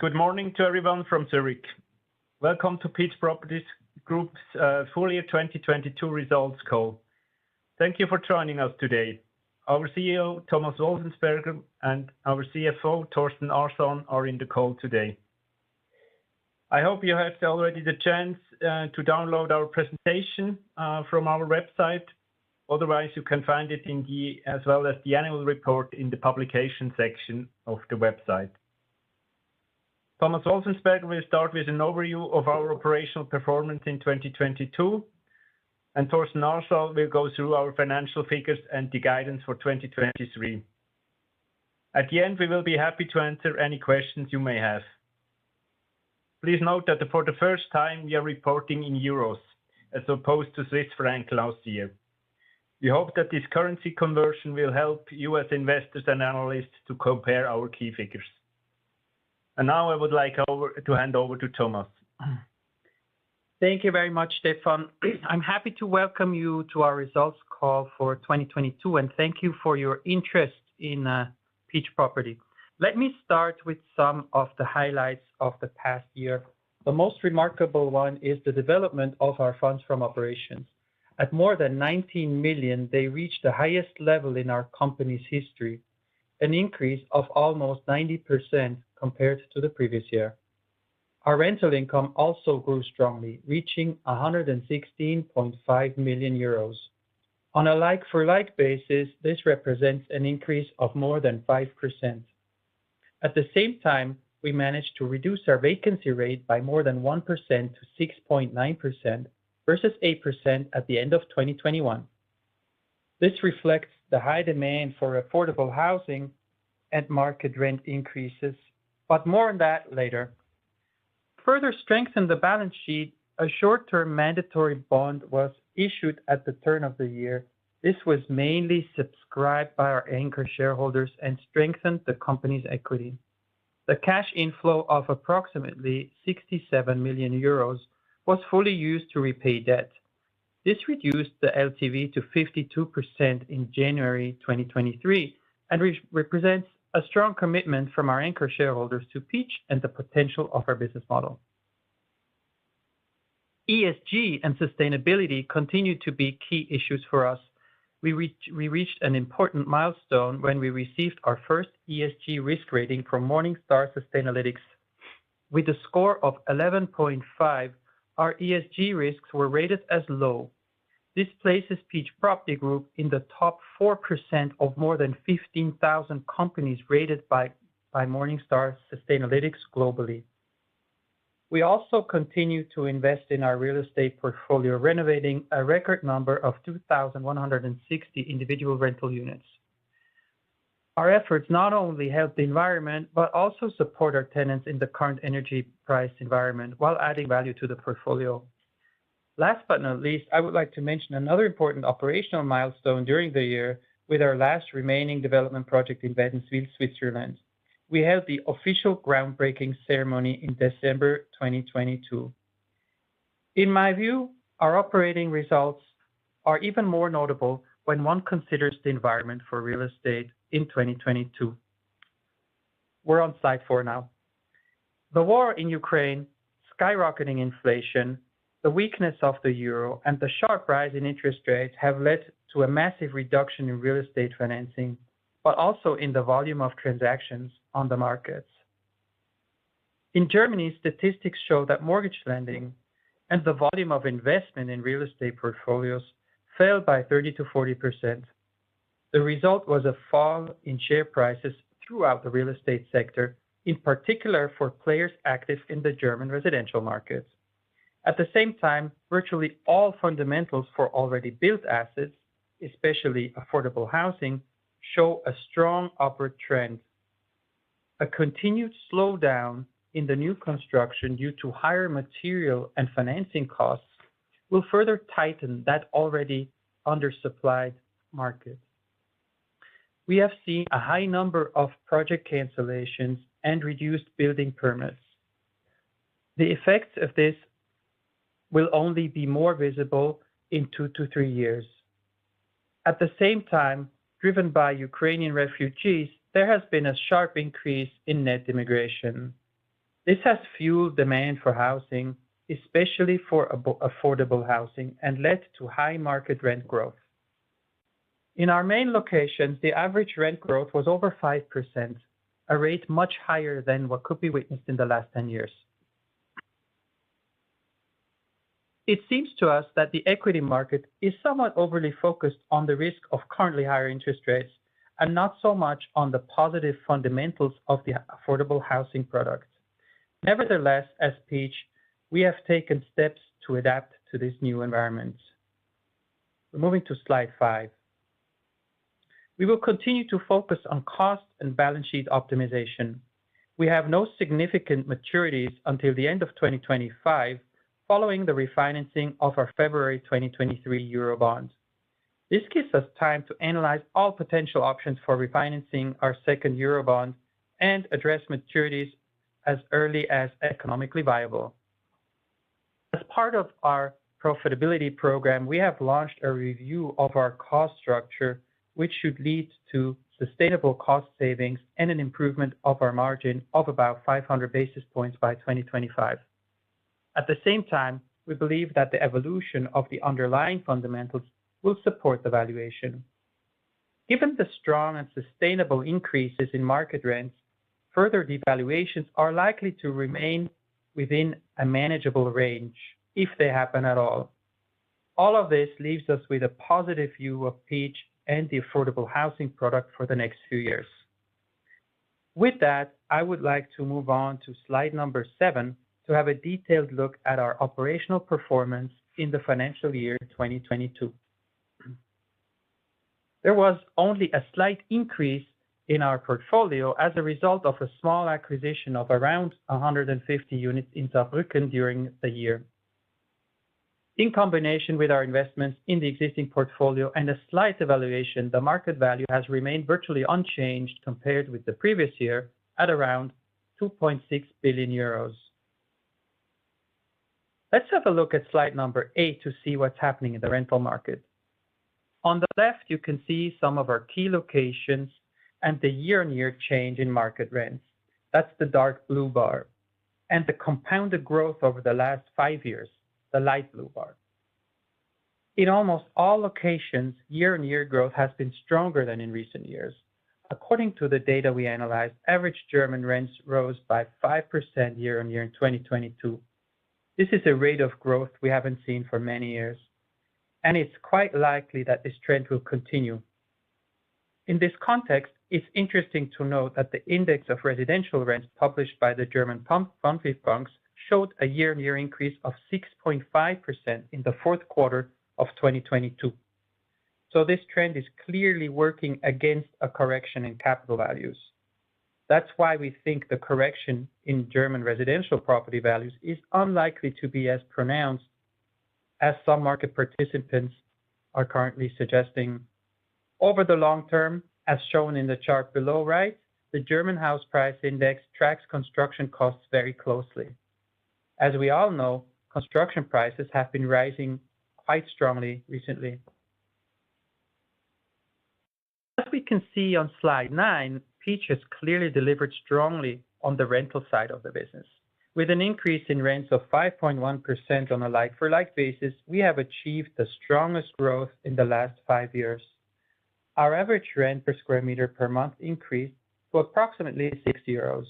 Good morning to everyone from Zurich. Welcome to Peach Property Group's full year 2022 results call. Thank you for joining us today. Our CEO, Thomas Wolfensberger, and our CFO, Thorsten Arsan, are in the call today. I hope you had already the chance to download our presentation from our website. Otherwise, you can find it as well as the annual report in the publication section of the website. Thomas Wolfensberger will start with an overview of our operational performance in 2022, and Thorsten Arsan will go through our financial figures and the guidance for 2023. At the end, we will be happy to answer any questions you may have. Please note that for the first time, we are reporting in euros as opposed to Swiss francs last year. We hope that this currency conversion will help U.S. investors and analysts to compare our key figures. Now I would like to hand over to Thomas. Thank you very much, Stefan. I'm happy to welcome you to our results call for 2022, and thank you for your interest in Peach Property. Let me start with some of the highlights of the past year. The most remarkable one is the development of our Funds from Operations. At more than 19 million, they reached the highest level in our company's history, an increase of almost 90% compared to the previous year. Our rental income also grew strongly, reaching 116.5 million euros. On a like for like basis, this represents an increase of more than 5%. At the same time, we managed to reduce our vacancy rate by more than 1% to 6.9% versus 8% at the end of 2021. This reflects the high demand for affordable housing and market rent increases. More on that later. To further strengthen the balance sheet, a short-term mandatory bond was issued at the turn of the year. This was mainly subscribed by our anchor shareholders and strengthened the company's equity. The cash inflow of approximately 67 million euros was fully used to repay debt. This reduced the LTV to 52% in January 2023 and represents a strong commitment from our anchor shareholders to Peach Property and the potential of our business model. ESG and sustainability continue to be key issues for us. We reached an important milestone when we received our first ESG risk rating from Morningstar Sustainalytics. With a score of 11.5, our ESG risks were rated as low. This places Peach Property Group in the top 4% of more than 15,000 companies rated by Morningstar Sustainalytics globally. We also continue to invest in our real estate portfolio, renovating a record number of 2,160 individual rental units. Our efforts not only help the environment but also support our tenants in the current energy price environment while adding value to the portfolio. Last but not least, I would like to mention another important operational milestone during the year with our last remaining development project in Wädenswil, Switzerland. We held the official groundbreaking ceremony in December 2022. In my view, our operating results are even more notable when one considers the environment for real estate in 2022. We're on slide four now. The war in Ukraine, skyrocketing inflation, the weakness of the euro, and the sharp rise in interest rates have led to a massive reduction in real estate financing, but also in the volume of transactions on the markets. In Germany, statistics show that mortgage lending and the volume of investment in real estate portfolios fell by 30%-40%. The result was a fall in share prices throughout the real estate sector, in particular for players active in the German residential markets. At the same time, virtually all fundamentals for already built assets, especially affordable housing, show a strong upward trend. A continued slowdown in the new construction due to higher material and financing costs will further tighten that already undersupplied market. We have seen a high number of project cancellations and reduced building permits. The effects of this will only be more visible in two to three years. Driven by Ukrainian refugees, there has been a sharp increase in net immigration. This has fueled demand for housing, especially for affordable housing, and led to high market rent growth. In our main locations, the average rent growth was over 5%, a rate much higher than what could be witnessed in the last 10 years. It seems to us that the equity market is somewhat overly focused on the risk of currently higher interest rates and not so much on the positive fundamentals of the affordable housing product. As Peach, we have taken steps to adapt to this new environment. We're moving to slide five. We will continue to focus on cost and balance sheet optimization. We have no significant maturities until the end of 2025 following the refinancing of our February 2023 Eurobond. This gives us time to analyze all potential options for refinancing our second Eurobond and address maturities as early as economically viable. Part of our profitability program, we have launched a review of our cost structure, which should lead to sustainable cost savings and an improvement of our margin of about 500 basis points by 2025. The same time, we believe that the evolution of the underlying fundamentals will support the valuation. Given the strong and sustainable increases in market rents, further devaluations are likely to remain within a manageable range, if they happen at all. This leaves us with a positive view of Peach and the affordable housing product for the next few years. That, I would like to move on to slide number 7 to have a detailed look at our operational performance in the financial year 2022. There was only a slight increase in our portfolio as a result of a small acquisition of around 150 units in Saarbrücken during the year. In combination with our investments in the existing portfolio and a slight evaluation, the market value has remained virtually unchanged compared with the previous year at around 2.6 billion euros. Let's have a look at slide number eight to see what's happening in the rental market. On the left, you can see some of our key locations and the year-on-year change in market rents, that's the dark blue bar, and the compounded growth over the last five years, the light blue bar. In almost all locations, year-on-year growth has been stronger than in recent years. According to the data we analyzed, average German rents rose by 5% year-on-year in 2022. This is a rate of growth we haven't seen for many years, and it's quite likely that this trend will continue. In this context, it's interesting to note that the index of residential rents published by the German Bundesbank showed a year-on-year increase of 6.5% in the fourth quarter of 2022. This trend is clearly working against a correction in capital values. That's why we think the correction in German residential property values is unlikely to be as pronounced as some market participants are currently suggesting. Over the long term, as shown in the chart below right, the German house price index tracks construction costs very closely. As we all know, construction prices have been rising quite strongly recently. As we can see on slide nine, Peach has clearly delivered strongly on the rental side of the business. With an increase in rents of 5.1% on a like for like basis, we have achieved the strongest growth in the last five years. Our average rent per square meter per month increased to approximately 60 euros.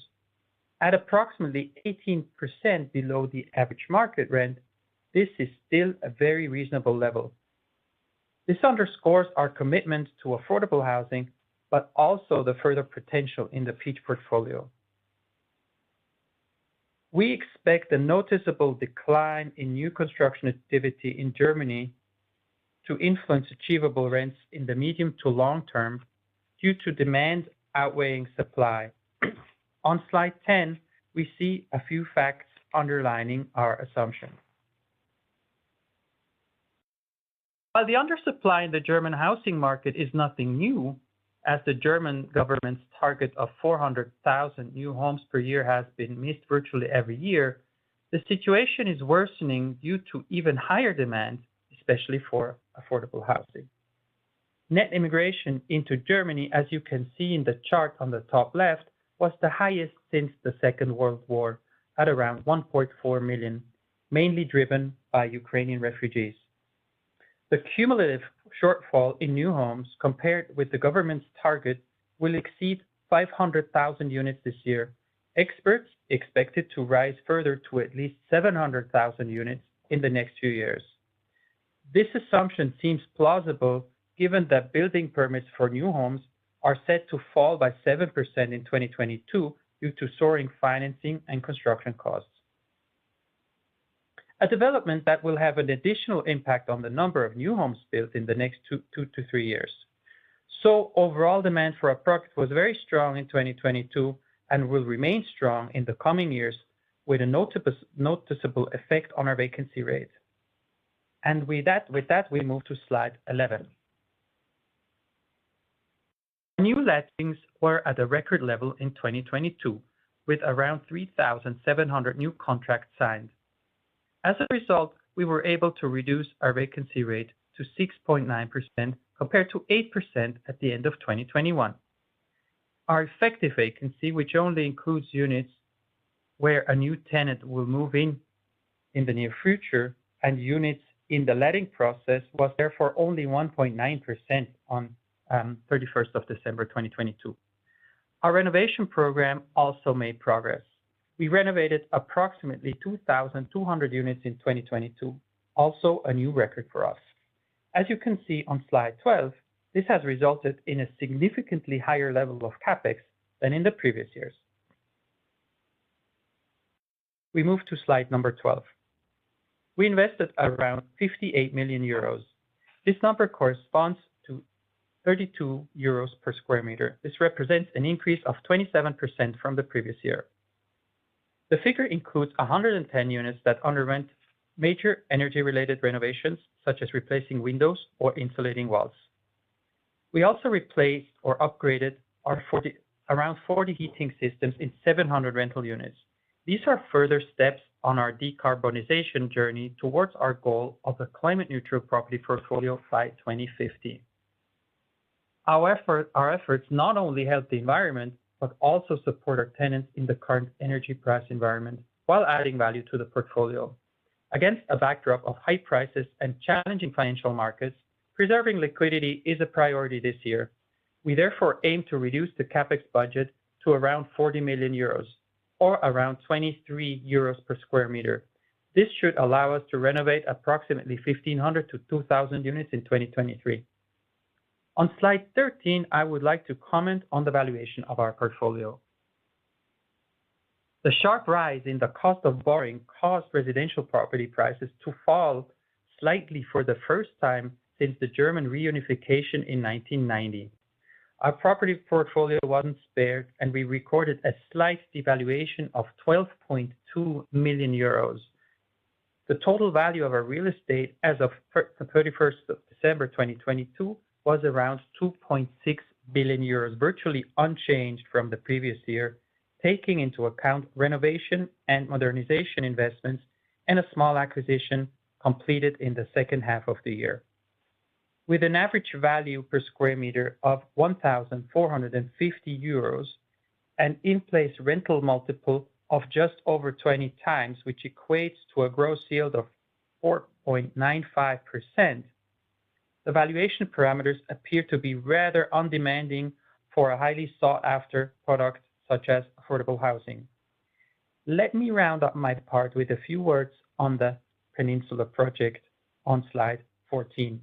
At approximately 18% below the average market rent, this is still a very reasonable level. This underscores our commitment to affordable housing, but also the further potential in the Peach portfolio. We expect a noticeable decline in new construction activity in Germany to influence achievable rents in the medium to long term due to demand outweighing supply. On slide 10, we see a few facts underlining our assumption. While the undersupply in the German housing market is nothing new, as the German government's target of 400,000 new homes per year has been missed virtually every year, the situation is worsening due to even higher demand, especially for affordable housing. Net immigration into Germany, as you can see in the chart on the top left, was the highest since the Second World War at around 1.4 million, mainly driven by Ukrainian refugees. The cumulative shortfall in new homes compared with the government's target will exceed 500,000 units this year. Experts expect it to rise further to at least 700,000 units in the next few years. This assumption seems plausible given that building permits for new homes are set to fall by 7% in 2022 due to soaring financing and construction costs. A development that will have an additional impact on the number of new homes built in the next two to three years. Overall demand for our product was very strong in 2022 and will remain strong in the coming years with a noticeable effect on our vacancy rate. With that, we move to slide 11. New lettings were at a record level in 2022 with around 3,700 new contracts signed. As a result, we were able to reduce our vacancy rate to 6.9% compared to 8% at the end of 2021. Our effective vacancy, which only includes units where a new tenant will move in in the near future and units in the letting process, was therefore only 1.9% on 31st of December 2022. Our renovation program also made progress. We renovated approximately 2,200 units in 2022, also a new record for us. As you can see on slide 12, this has resulted in a significantly higher level of CapEx than in the previous years. We move to slide number 12. We invested around 58 million euros. This number corresponds to 32 euros per square meter. This represents an increase of 27% from the previous year. The figure includes 110 units that underwent major energy-related renovations, such as replacing windows or insulating walls. We also replaced or upgraded our around 40 heating systems in 700 rental units. These are further steps on our decarbonization journey towards our goal of a climate neutral property portfolio by 2050. Our efforts not only help the environment, but also support our tenants in the current energy price environment while adding value to the portfolio. Against a backdrop of high prices and challenging financial markets, preserving liquidity is a priority this year. We therefore aim to reduce the CapEx budget to around 40 million euros or around 23 euros per square meter. This should allow us to renovate approximately 1,500 to 2,000 units in 2023. On slide 13, I would like to comment on the valuation of our portfolio. The sharp rise in the cost of borrowing caused residential property prices to fall slightly for the first time since the German Reunification in 1990. Our property portfolio wasn't spared, and we recorded a slight devaluation of 12.2 million euros. The total value of our real estate as of December 31, 2022 was around 2.6 billion euros, virtually unchanged from the previous year, taking into account renovation and modernization investments and a small acquisition completed in the second half of the year. With an average value per square meter of 1,450 euros, an in-place rental multiple of just over 20x, which equates to a gross yield of 4.95%. The valuation parameters appear to be rather undemanding for a highly sought-after product such as affordable housing. Let me round up my part with a few words on the Peninsula project on slide 14.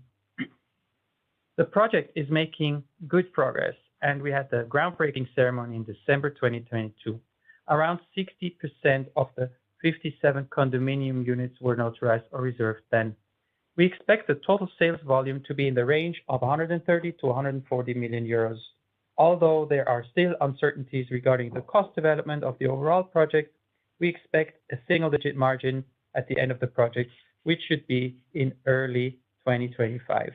The project is making good progress. We had the groundbreaking ceremony in December 2022. Around 60% of the 57 condominium units were notarized or reserved then. We expect the total sales volume to be in the range of 130 million-140 million euros. Although there are still uncertainties regarding the cost development of the overall project, we expect a single-digit margin at the end of the project, which should be in early 2025.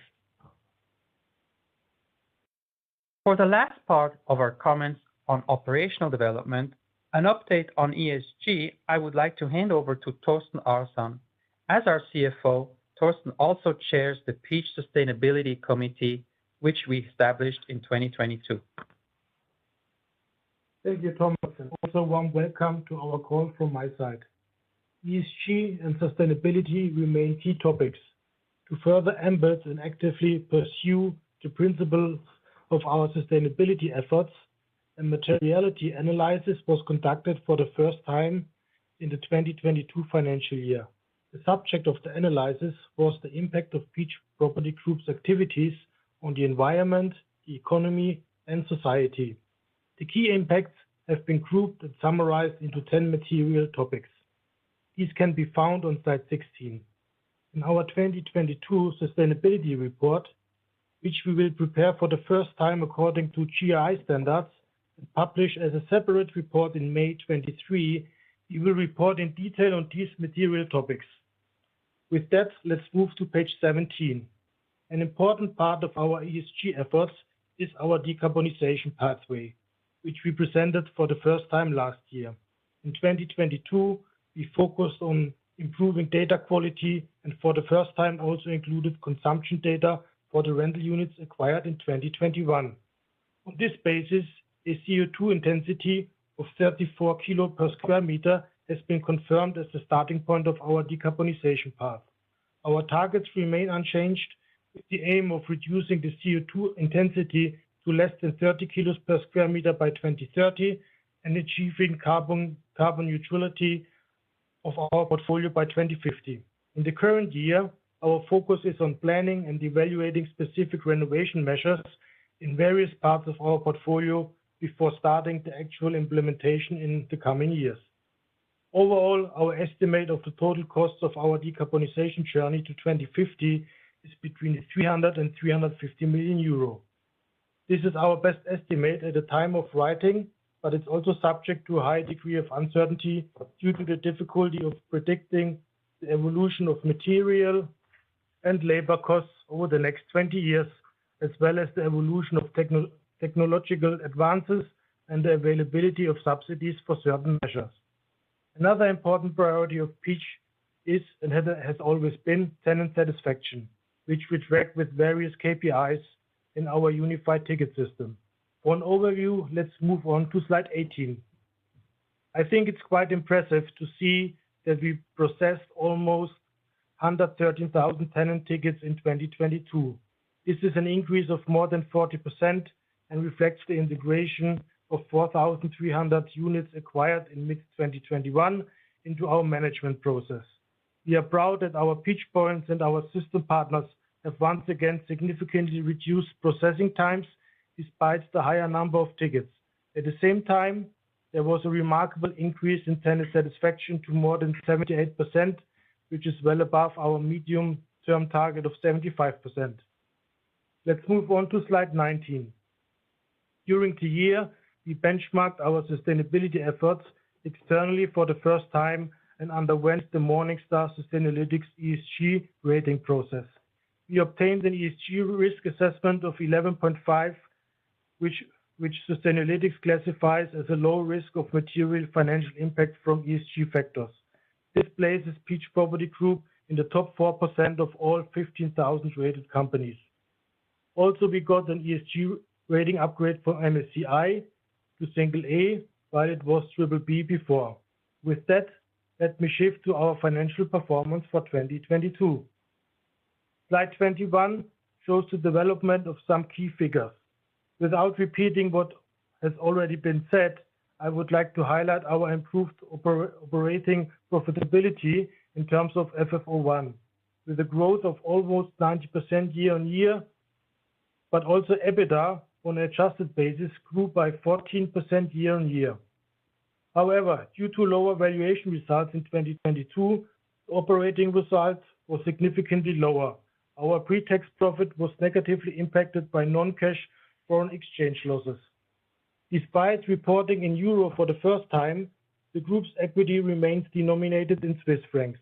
For the last part of our comments on operational development, an update on ESG, I would like to hand over to Thorsten Arsan. As our CFO, Thorsten also chairs the Peach Sustainability Committee, which we established in 2022. Thank you, Thomas, and also warm welcome to our call from my side. ESG and sustainability remain key topics. To further embed and actively pursue the principle of our sustainability efforts, a materiality analysis was conducted for the first time in the 2022 financial year. The subject of the analysis was the impact of Peach Property Group's activities on the environment, the economy, and society. The key impacts have been grouped and summarized into 10 material topics. These can be found on slide 16. In our 2022 sustainability report, which we will prepare for the first time according to GRI standards and publish as a separate report in May 2023, we will report in detail on these material topics. With that, let's move to page 17. An important part of our ESG efforts is our decarbonization pathway, which we presented for the first time last year. In 2022, we focused on improving data quality and for the first time, also included consumption data for the rental units acquired in 2021. On this basis, a CO₂ intensity of 34 kilo per square meter has been confirmed as the starting point of our decarbonization path. Our targets remain unchanged, with the aim of reducing the CO₂ intensity to less than 30 kilos per square meter by 2030 and achieving carbon neutrality of our portfolio by 2050. In the current year, our focus is on planning and evaluating specific renovation measures in various parts of our portfolio before starting the actual implementation in the coming years. Overall, our estimate of the total cost of our decarbonization journey to 2050 is between 300 million euro and 350 million euro. This is our best estimate at the time of writing, but it's also subject to a high degree of uncertainty due to the difficulty of predicting the evolution of material and labor costs over the next 20 years, as well as the evolution of technological advances and the availability of subsidies for certain measures. Another important priority of Peach is, and has always been, tenant satisfaction, which we track with various KPIs in our unified ticket system. For an overview, let's move on to slide 18. I think it's quite impressive to see that we processed almost 113,000 tenant tickets in 2022. This is an increase of more than 40% and reflects the integration of 4,300 units acquired in mid-2021 into our management process. We are proud that our Peach Points and our system partners have once again significantly reduced processing times despite the higher number of tickets. At the same time, there was a remarkable increase in tenant satisfaction to more than 78%, which is well above our medium-term target of 75%. Let's move on to slide 19. During the year, we benchmarked our sustainability efforts externally for the first time and underwent the Morningstar Sustainalytics ESG rating process. We obtained an ESG risk assessment of 11.5, which Sustainalytics classifies as a low risk of material financial impact from ESG factors. This places Peach Property Group in the top 4% of all 15,000 rated companies. We got an ESG rating upgrade for MSCI to single A, while it was triple B before. With that, let me shift to our financial performance for 2022. Slide 21 shows the development of some key figures. Without repeating what has already been said, I would like to highlight our improved operating profitability in terms of FFO I, with a growth of almost 90% year-over-year, but also EBITDA on adjusted basis grew by 14% year-over-year. Due to lower valuation results in 2022, operating results were significantly lower. Our pre-tax profit was negatively impacted by non-cash foreign exchange losses. Despite reporting in euro for the first time, the group's equity remains denominated in Swiss francs.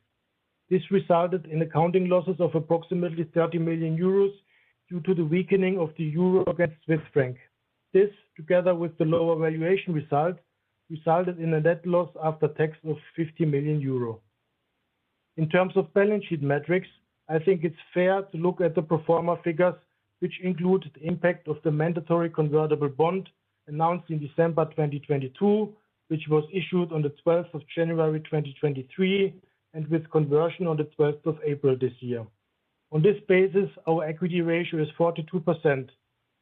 This resulted in accounting losses of approximately 30 million euros due to the weakening of the euro against Swiss franc. This, together with the lower valuation result, resulted in a net loss after tax of 50 million euro. In terms of balance sheet metrics, I think it's fair to look at the pro forma figures, which include the impact of the mandatory convertible bond announced in December 2022, which was issued on the 12th of January 2023, and with conversion on the 12th of April this year. On this basis, our equity ratio is 42%.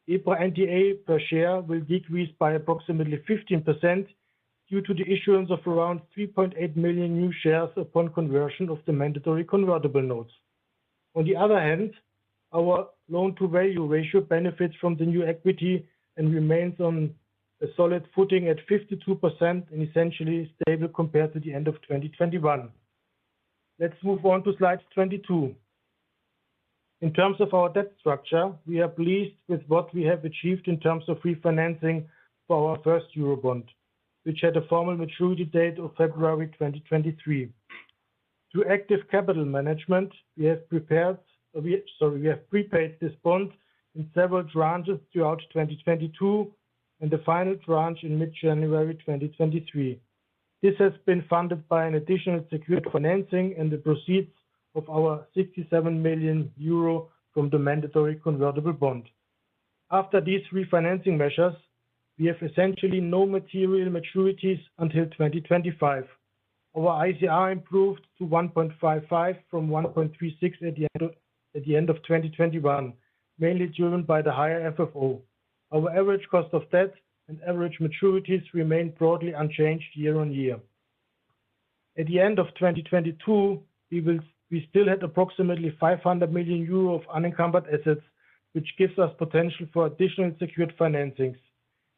EPRA NTA per share will decrease by approximately 15% due to the issuance of around 3.8 million new shares upon conversion of the mandatory convertible notes. On the other hand, our loan to value ratio benefits from the new equity and remains on a solid footing at 52% and essentially stable compared to the end of 2021. Let's move on to slide 22. In terms of our debt structure, we are pleased with what we have achieved in terms of refinancing for our first Eurobond, which had a formal maturity date of February 2023. Through active capital management, Sorry, we have prepaid this bond in several tranches throughout 2022 and the final tranche in mid-January 2023. This has been funded by an additional secured financing and the proceeds of our 67 million euro from the mandatory convertible bond. After these refinancing measures, we have essentially no material maturities until 2025. Our ICR improved to 1.55 from 1.36 at the end of 2021, mainly driven by the higher FFO. Our average cost of debt and average maturities remained broadly unchanged year-on-year. At the end of 2022, we still had approximately 500 million euro of unencumbered assets, which gives us potential for additional secured financings.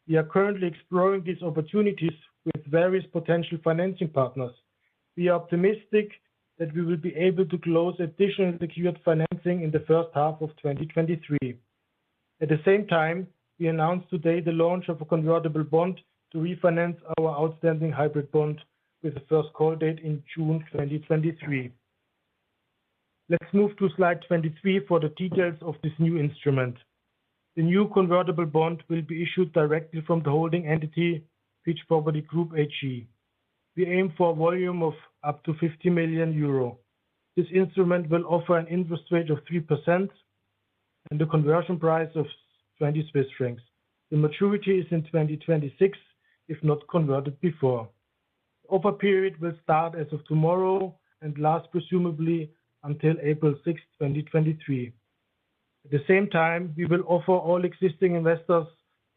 We are currently exploring these opportunities with various potential financing partners. We are optimistic that we will be able to close additional secured financing in the first half of 2023. At the same time, we announced today the launch of a convertible bond to refinance our outstanding hybrid bond with the first call date in June 2023. Let's move to slide 23 for the details of this new instrument. The new convertible bond will be issued directly from the holding entity, Peach Property Group AG. We aim for a volume of up to 50 million euro. This instrument will offer an an interest rate of 3% and a conversion price of 20 Swiss francs. The maturity is in 2026, if not converted before. Offer period will start as of tomorrow and last presumably until April 6, 2023. At the same time, we will offer all existing investors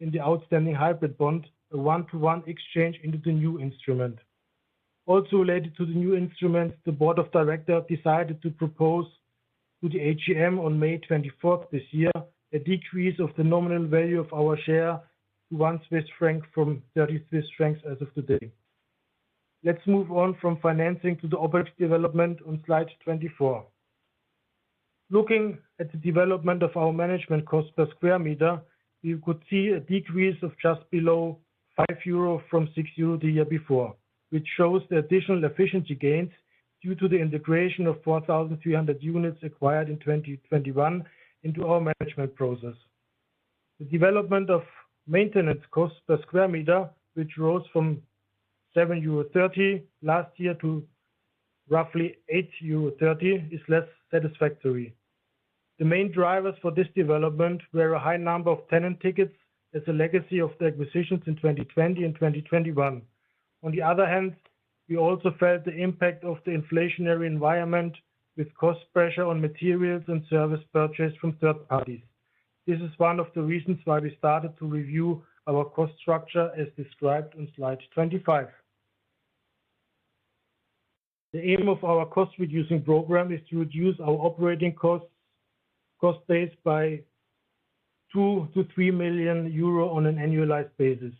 in the outstanding hybrid bond a one-to-one exchange into the new instrument. Also related to the new instrument, the board of directors decided to propose to the AGM on May 24 this year, a decrease of the nominal value of our share to 1 Swiss franc from 30 Swiss francs as of today. Let's move on from financing to the operating development on slide 24. Looking at the development of our management cost per square meter, you could see a decrease of just below 5 euro from 6 euro the year before, which shows the additional efficiency gains due to the integration of 4,300 units acquired in 2021 into our management process. The development of maintenance cost per square meter, which rose from 7.30 euro last year to roughly 8.30 euro, is less satisfactory. The main drivers for this development were a high number of tenant tickets as a legacy of the acquisitions in 2020 and 2021. We also felt the impact of the inflationary environment with cost pressure on materials and service purchased from third parties. This is one of the reasons why we started to review our cost structure as described on slide 25. The aim of our cost-reducing program is to reduce our operating costs, cost base by 2 million-3 million euro on an annualized basis.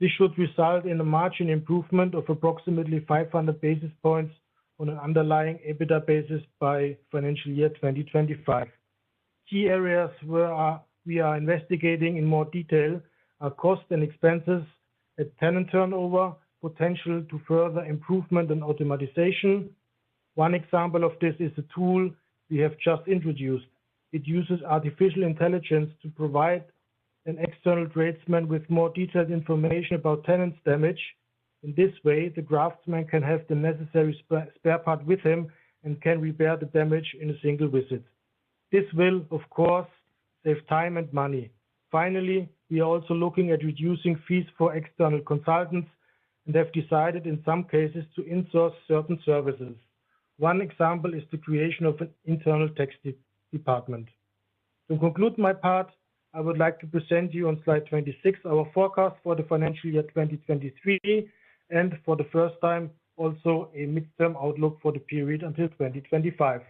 This should result in a margin improvement of approximately 500 basis points on an underlying EBITDA basis by financial year 2025. Key areas where we are investigating in more detail are cost and expenses at tenant turnover, potential to further improvement and automation. One example of this is a tool we have just introduced. It uses artificial intelligence to provide an external tradesman with more detailed information about tenant's damage. In this way, the draftsman can have the necessary spare part with him and can repair the damage in a single visit. This will, of course, save time and money. Finally, we are also looking at reducing fees for external consultants and have decided in some cases to in-source certain services. One example is the creation of an internal tax department. To conclude my part, I would like to present you on slide 26, our forecast for the financial year 2023, and for the first time, also a midterm outlook for the period until 2025.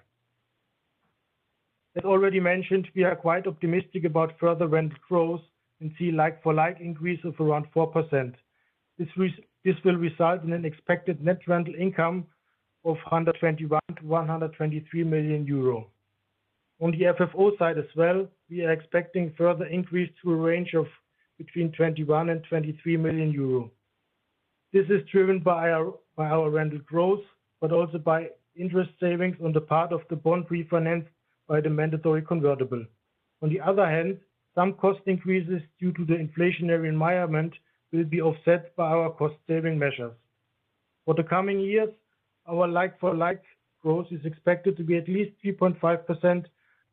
As already mentioned, we are quite optimistic about further rental growth and see like for like increase of around 4%. This will result in an expected net rental income of 121 million-123 million euro. On the FFO side as well, we are expecting further increase to a range of between 21 million and 23 million euro. This is driven by our rental growth, but also by interest savings on the part of the bond refinance by the mandatory convertible. Some cost increases due to the inflationary environment will be offset by our cost saving measures. For the coming years, our like-for-like growth is expected to be at least 3.5%,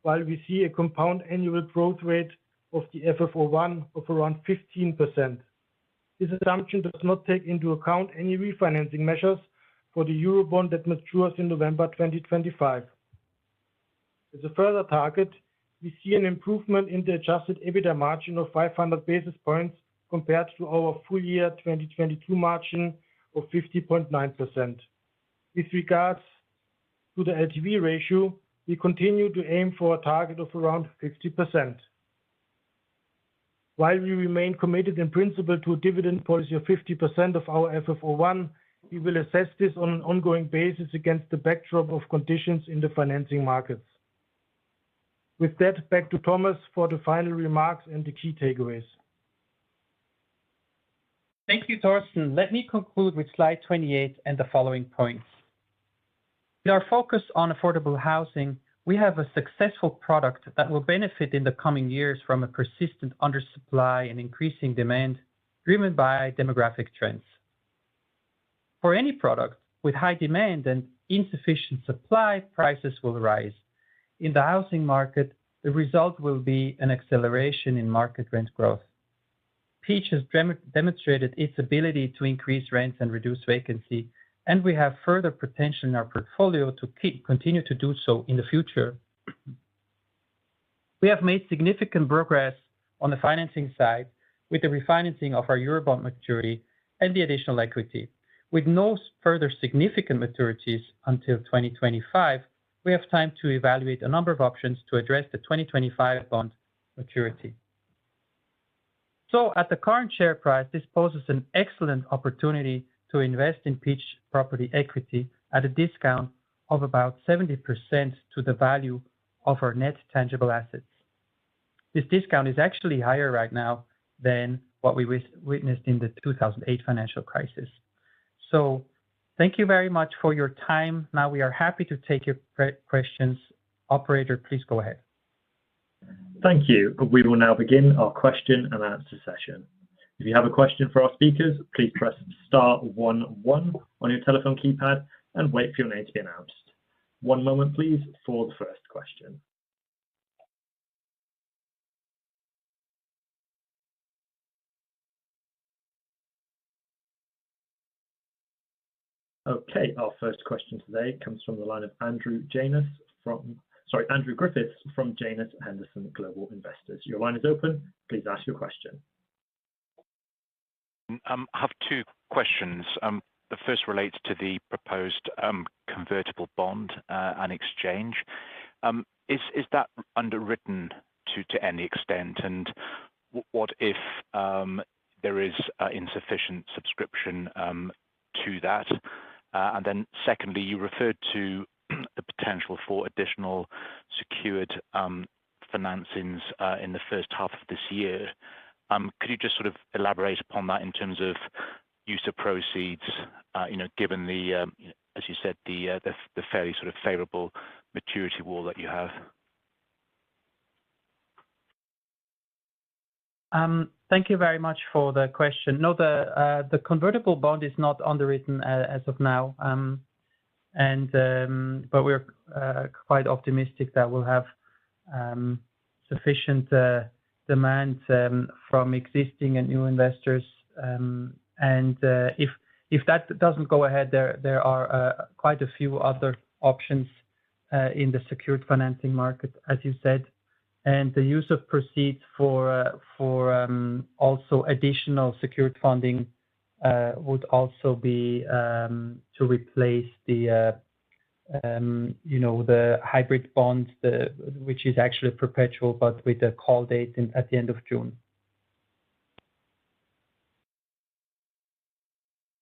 while we see a compound annual growth rate of the FFO I of around 15%. This assumption does not take into account any refinancing measures for the Eurobond that matures in November 2025. As a further target, we see an improvement in the adjusted EBITDA margin of 500 basis points compared to our full year 2022 margin of 50.9%. With regards to the LTV ratio, we continue to aim for a target of around 60%. While we remain committed in principle to a dividend policy of 50% of our FFO I, we will assess this on an ongoing basis against the backdrop of conditions in the financing markets. With that, back to Thomas for the final remarks and the key takeaways. Thank you, Thorsten. Let me conclude with slide 28 and the following points. In our focus on affordable housing, we have a successful product that will benefit in the coming years from a persistent undersupply and increasing demand driven by demographic trends. For any product with high demand and insufficient supply, prices will rise. In the housing market, the result will be an acceleration in market rent growth. Peach has demonstrated its ability to increase rents and reduce vacancy, and we have further potential in our portfolio to continue to do so in the future. We have made significant progress on the financing side with the refinancing of our Eurobond maturity and the additional equity. With no further significant maturities until 2025, we have time to evaluate a number of options to address the 2025 bond maturity. At the current share price, this poses an excellent opportunity to invest in Peach Property equity at a discount of about 70% to the value of our net tangible assets. This discount is actually higher right now than what we witnessed in the 2008 financial crisis. Thank you very much for your time. Now we are happy to take your questions. Operator, please go ahead. Thank you. We will now begin our question and answer session. If you have a question for our speakers, please press star one one on your telephone keypad and wait for your name to be announced. One moment please for the first question. Okay. Our first question today comes from the line of Andrew Griffiths from Janus Henderson Investors. Your line is open. Please ask your question. I have two questions. The first relates to the proposed convertible bond and exchange. Is that underwritten to any extent? What if there is insufficient subscription to that? Secondly, you referred to the potential for additional secured financings in the first half of this year. Could you just sort of elaborate upon that in terms of use of proceeds, you know, given the, as you said, the fairly sort of favorable maturity wall that you have? Thank you very much for the question. No, the convertible bond is not underwritten as of now. We're quite optimistic that we'll have sufficient demand from existing and new investors. If that doesn't go ahead, there are quite a few other options in the secured financing market, as you said. The use of proceeds for also additional secured funding, would also be to replace the, you know, the hybrid bonds, which is actually perpetual, but with a call date at the end of June.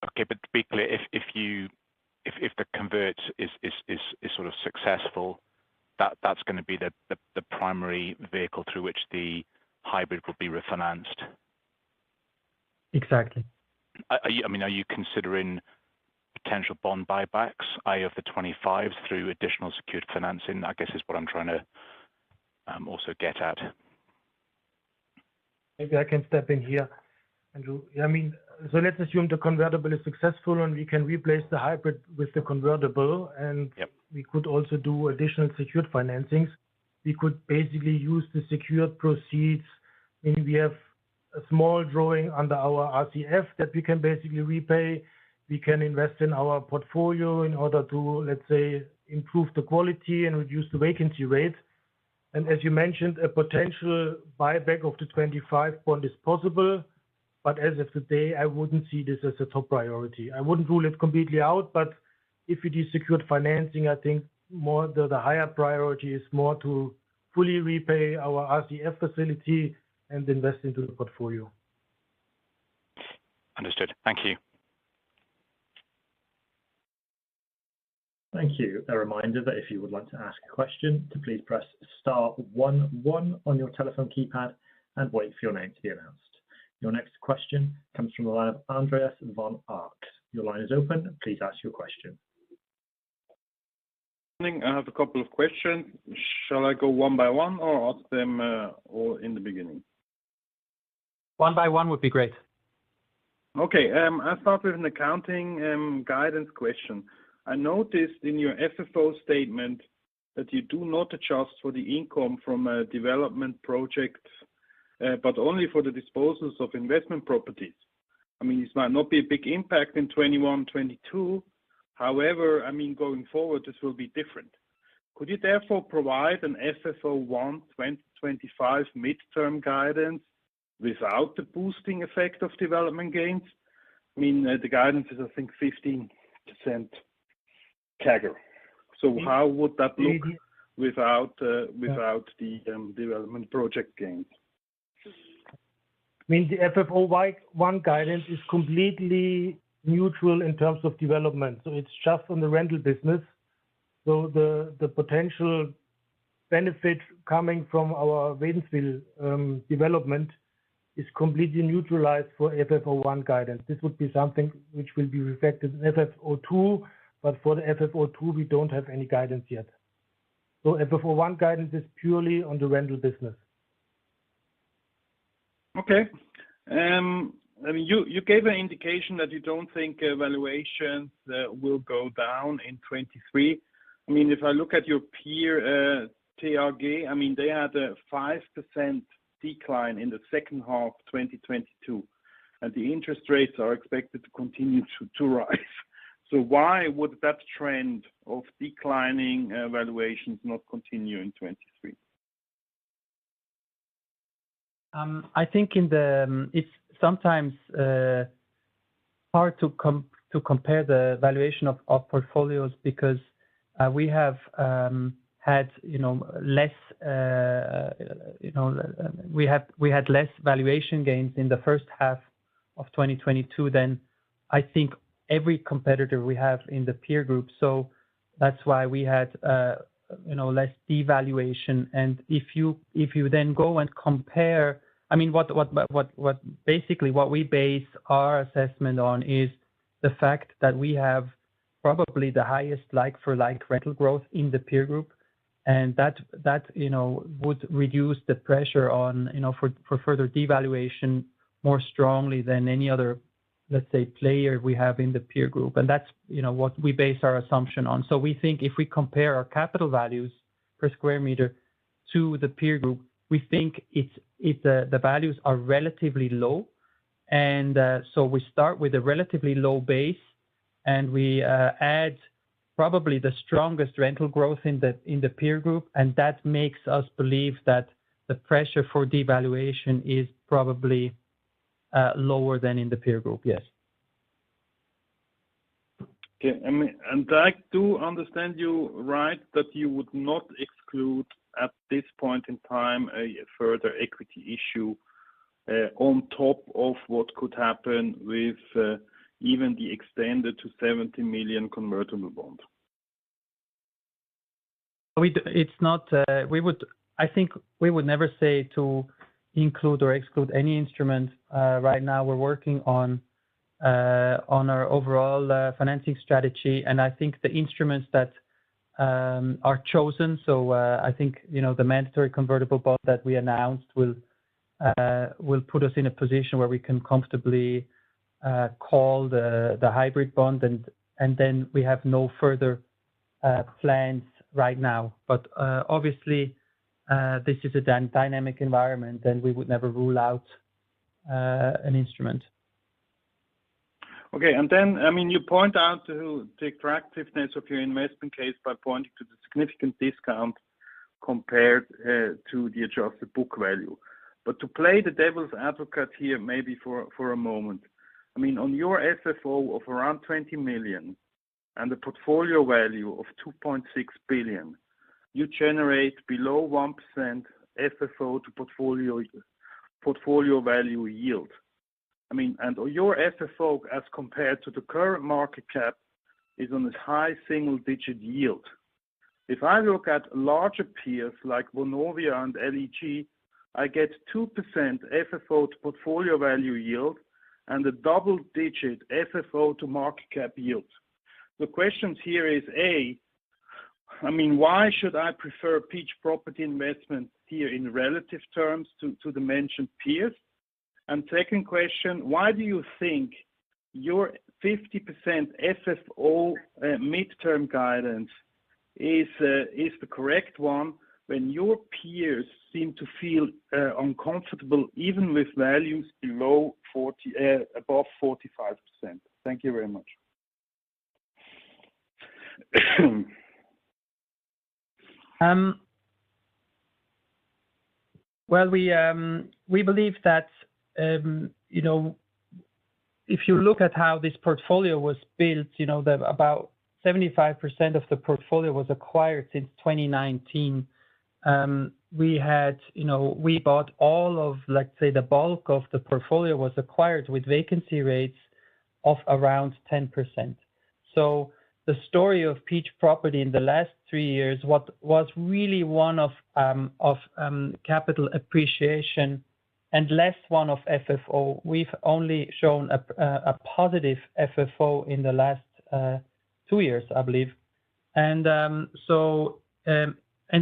Okay. To be clear, if you, if the convert is sort of successful, that's gonna be the primary vehicle through which the hybrid will be refinanced. Exactly. Are you, I mean, are you considering potential bond buybacks, i.e., of the 25s through additional secured financing, I guess is what I'm trying to also get at. Maybe I can step in here, Andrew. Yeah, I mean, let's assume the convertible is successful, and we can replace the hybrid with the convertible. Yep. We could also do additional secured financings. We could basically use the secured proceeds. I mean, we have a small drawing under our RCF that we can basically repay. We can invest in our portfolio in order to, let's say, improve the quality and reduce the vacancy rate. As you mentioned, a potential buyback of the 2025 bond is possible. As of today, I wouldn't see this as a top priority. I wouldn't rule it completely out, but if it is secured financing, I think more the higher priority is more to fully repay our RCF facility and invest into the portfolio. Understood. Thank you. Thank you. A reminder that if you would like to ask a question, to please press star one one on your telephone keypad and wait for your name to be announced. Your next question comes from the line of Andreas von Arx. Your line is open. Please ask your question. Good morning. I have a couple of questions. Shall I go one by one or ask them all in the beginning? One by one would be great. Okay. I'll start with an accounting guidance question. I noticed in your FFO statement that you do not adjust for the income from development projects, but only for the disposals of investment properties. I mean, this might not be a big impact in 2021-2022. I mean, going forward, this will be different. Could you therefore provide an FFO I 2025 midterm guidance without the boosting effect of development gains? I mean, the guidance is, I think, 15% CAGR. How would that look without the development project gains? I mean, the FFO I guidance is completely neutral in terms of development, so it's just on the rental business. The potential benefit coming from our Wädenswil development is completely neutralized for FFO I guidance. This would be something which will be reflected in FFO II, but for the FFO II, we don't have any guidance yet. FFO I guidance is purely on the rental business. Okay. I mean, you gave an indication that you don't think valuations will go down in 23. I mean, if I look at your peer, TAG, I mean, they had a 5% decline in the second half 2022, and the interest rates are expected to continue to rise. Why would that trend of declining valuations not continue in 23? I think in the... It's sometimes hard to compare the valuation of our portfolios because we had less valuation gains in the first half of 2022 than I think every competitor we have in the peer group. That's why we had less devaluation. I mean, basically what we base our assessment on is the fact that we have probably the highest like-for-like rental growth in the peer group, and that would reduce the pressure on further devaluation more strongly than any other, let's say, player we have in the peer group. That's what we base our assumption on. We think if we compare our capital values per square meter to the peer group, we think the values are relatively low. We start with a relatively low base, and we add probably the strongest rental growth in the peer group, and that makes us believe that the pressure for devaluation is probably lower than in the peer group. Yes. I mean I do understand you right, that you would not exclude, at this point in time, a further equity issue, on top of what could happen with, even the extended to 70 million convertible bond? It's not. I think we would never say to include or exclude any instrument. Right now we're working on our overall financing strategy, and I think the instruments that are chosen. I think, you know, the mandatory convertible bond that we announced will put us in a position where we can comfortably call the hybrid bond, and then we have no further plans right now. Obviously, this is a dynamic environment, and we would never rule out an instrument. Okay. I mean, you point out to the attractiveness of your investment case by pointing to the significant discount compared to the adjusted book value. To play the devil's advocate here maybe for a moment. I mean, on your FFO of around 20 million and the portfolio value of 2.6 billion, you generate below 1% FFO to portfolio value yield. I mean, your FFO as compared to the current market cap is on this high single-digit yield. If I look at larger peers like Vonovia and LEG, I get 2% FFO to portfolio value yield and a double-digit FFO to market cap yield. The questions here is, A: I mean, why should I prefer Peach Property Investment here in relative terms to the mentioned peers? Second question: why do you think your 50% FFO midterm guidance is the correct one when your peers seem to feel uncomfortable even with values below 40%, above 45%? Thank you very much. Well, we believe that if you look at how this portfolio was built, about 75% of the portfolio was acquired since 2019. We had, we bought all of, the bulk of the portfolio was acquired with vacancy rates of around 10%. The story of Peach Property in the last three years, what was really one of capital appreciation and less one of FFO. We've only shown a positive FFO in the last two years, I believe.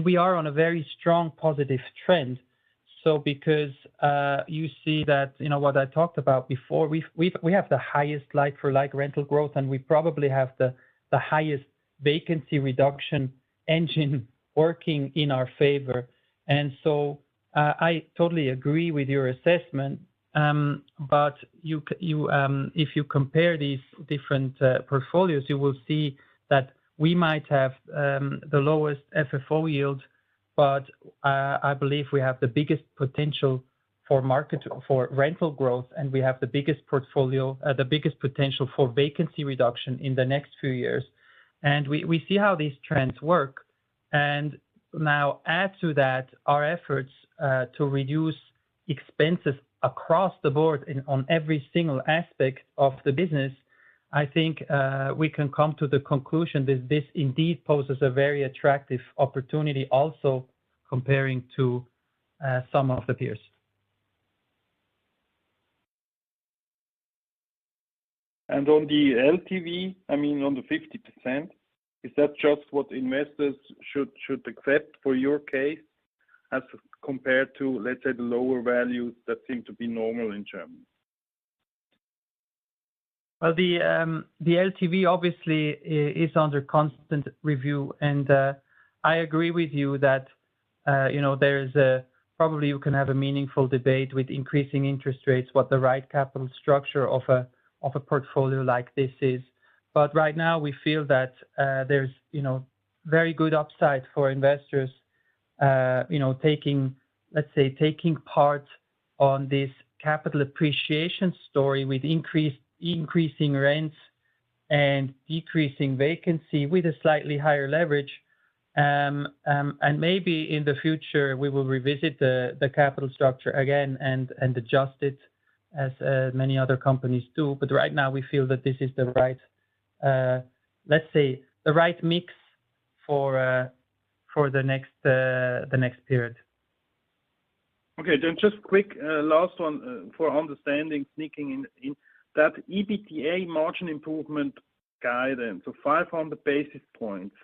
We are on a very strong positive trend. Because you see that what I talked about before, we have the highest like-for-like rental growth, and we probably have the highest vacancy reduction engine working in our favor. I totally agree with your assessment but if you compare these different portfolios, you will see that we might have the lowest FFO yield, but I believe we have the biggest potential for rental growth, and we have the biggest portfolio, the biggest potential for vacancy reduction in the next few years. We see how these trends work. Now add to that our efforts to reduce expenses across the board in, on every single aspect of the business. I think we can come to the conclusion that this indeed poses a very attractive opportunity also comparing to some of the peers. On the LTV, I mean on the 50%, is that just what investors should accept for your case as compared to, let's say, the lower values that seem to be normal in Germany? Well, the LTV obviously is under constant review. I agree with you that, you know, probably you can have a meaningful debate with increasing interest rates, what the right capital structure of a portfolio like this is. Right now we feel that there's, you know, very good upside for investors, you know, taking, let's say, taking part on this capital appreciation story with increasing rents and decreasing vacancy with a slightly higher leverage. Maybe in the future we will revisit the capital structure again and adjust it as many other companies do. Right now we feel that this is the right, let's say, the right mix for the next period. Okay. Just quick, last one, for understanding, sneaking in. That EBITDA margin improvement guidance, 500 basis points.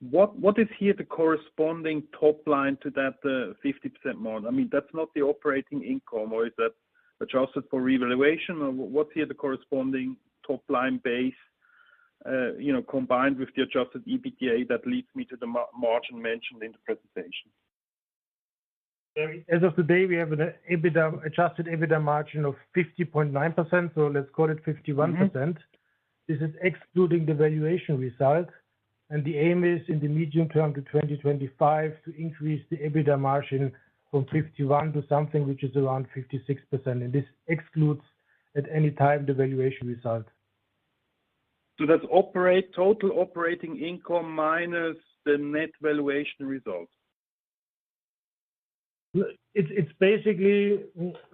What is here the corresponding top line to that 50% margin? I mean, that's not the operating income, or is that adjusted for revaluation? What's here the corresponding top-line base, you know, combined with the adjusted EBITDA that leads me to the margin mentioned in the presentation? As of today, we have an EBITA, adjusted EBITDA margin of 50.9%. Let's call it 51%. Mm-hmm. This is excluding the valuation result. The aim is in the medium term to 2025 to increase the EBITDA margin from 51% to something which is around 56%. This excludes at any time the valuation result. That's operate, total operating income minus the net valuation result. It's basically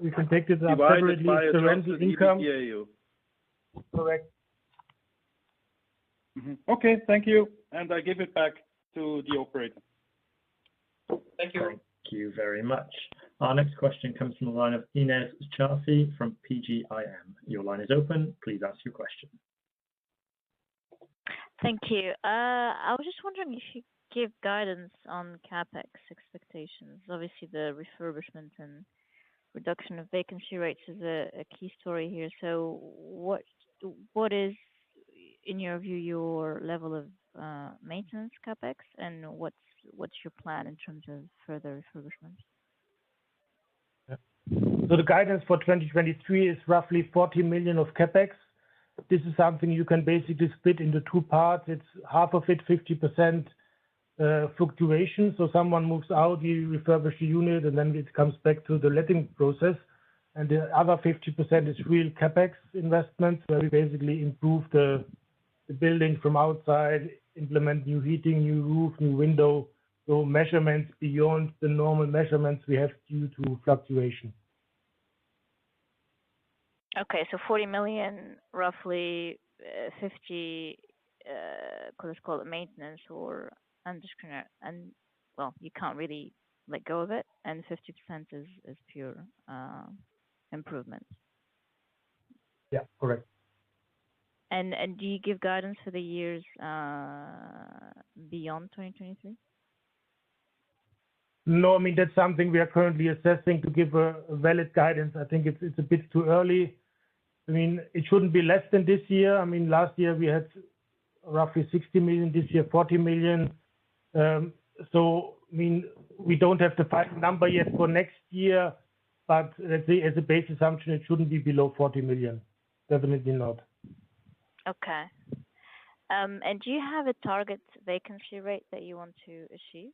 we can take it as separately. Divided by adjusted EBITDA. The rental income. Correct. Mm-hmm. Okay. Thank you. I give it back to the operator. Thank you. Thank you very much. Our next question comes from the line of Ines Charfi from PGIM. Your line is open. Please ask your question. Thank you. I was just wondering if you could give guidance on CapEx expectations. Obviously, the refurbishment and reduction of vacancy rates is a key story here. What, what is in your view your level of maintenance CapEx, and what's your plan in terms of further refurbishments? The guidance for 2023 is roughly 40 million of CapEx. This is something you can basically split into two parts. It's half of it, 50%, fluctuation. Someone moves out, you refurbish the unit, and then it comes back to the letting process. The other 50% is real CapEx investments, where we basically improve the building from outside, implement new heating, new roof, new window. Measurements beyond the normal measurements we have due to fluctuation. Okay. 40 million, roughly, 50 million, let's call it maintenance or well, you can't really let go of it, 50% is pure improvement. Yeah, correct. Do you give guidance for the years beyond 2023? I mean, that's something we are currently assessing to give a valid guidance. I think it's a bit too early. I mean, it shouldn't be less than this year. I mean, last year we had roughly 60 million, this year, 40 million. I mean, we don't have the final number yet for next year. Let's say, as a base assumption, it shouldn't be below 40 million. Definitely not. Okay. Do you have a target vacancy rate that you want to achieve?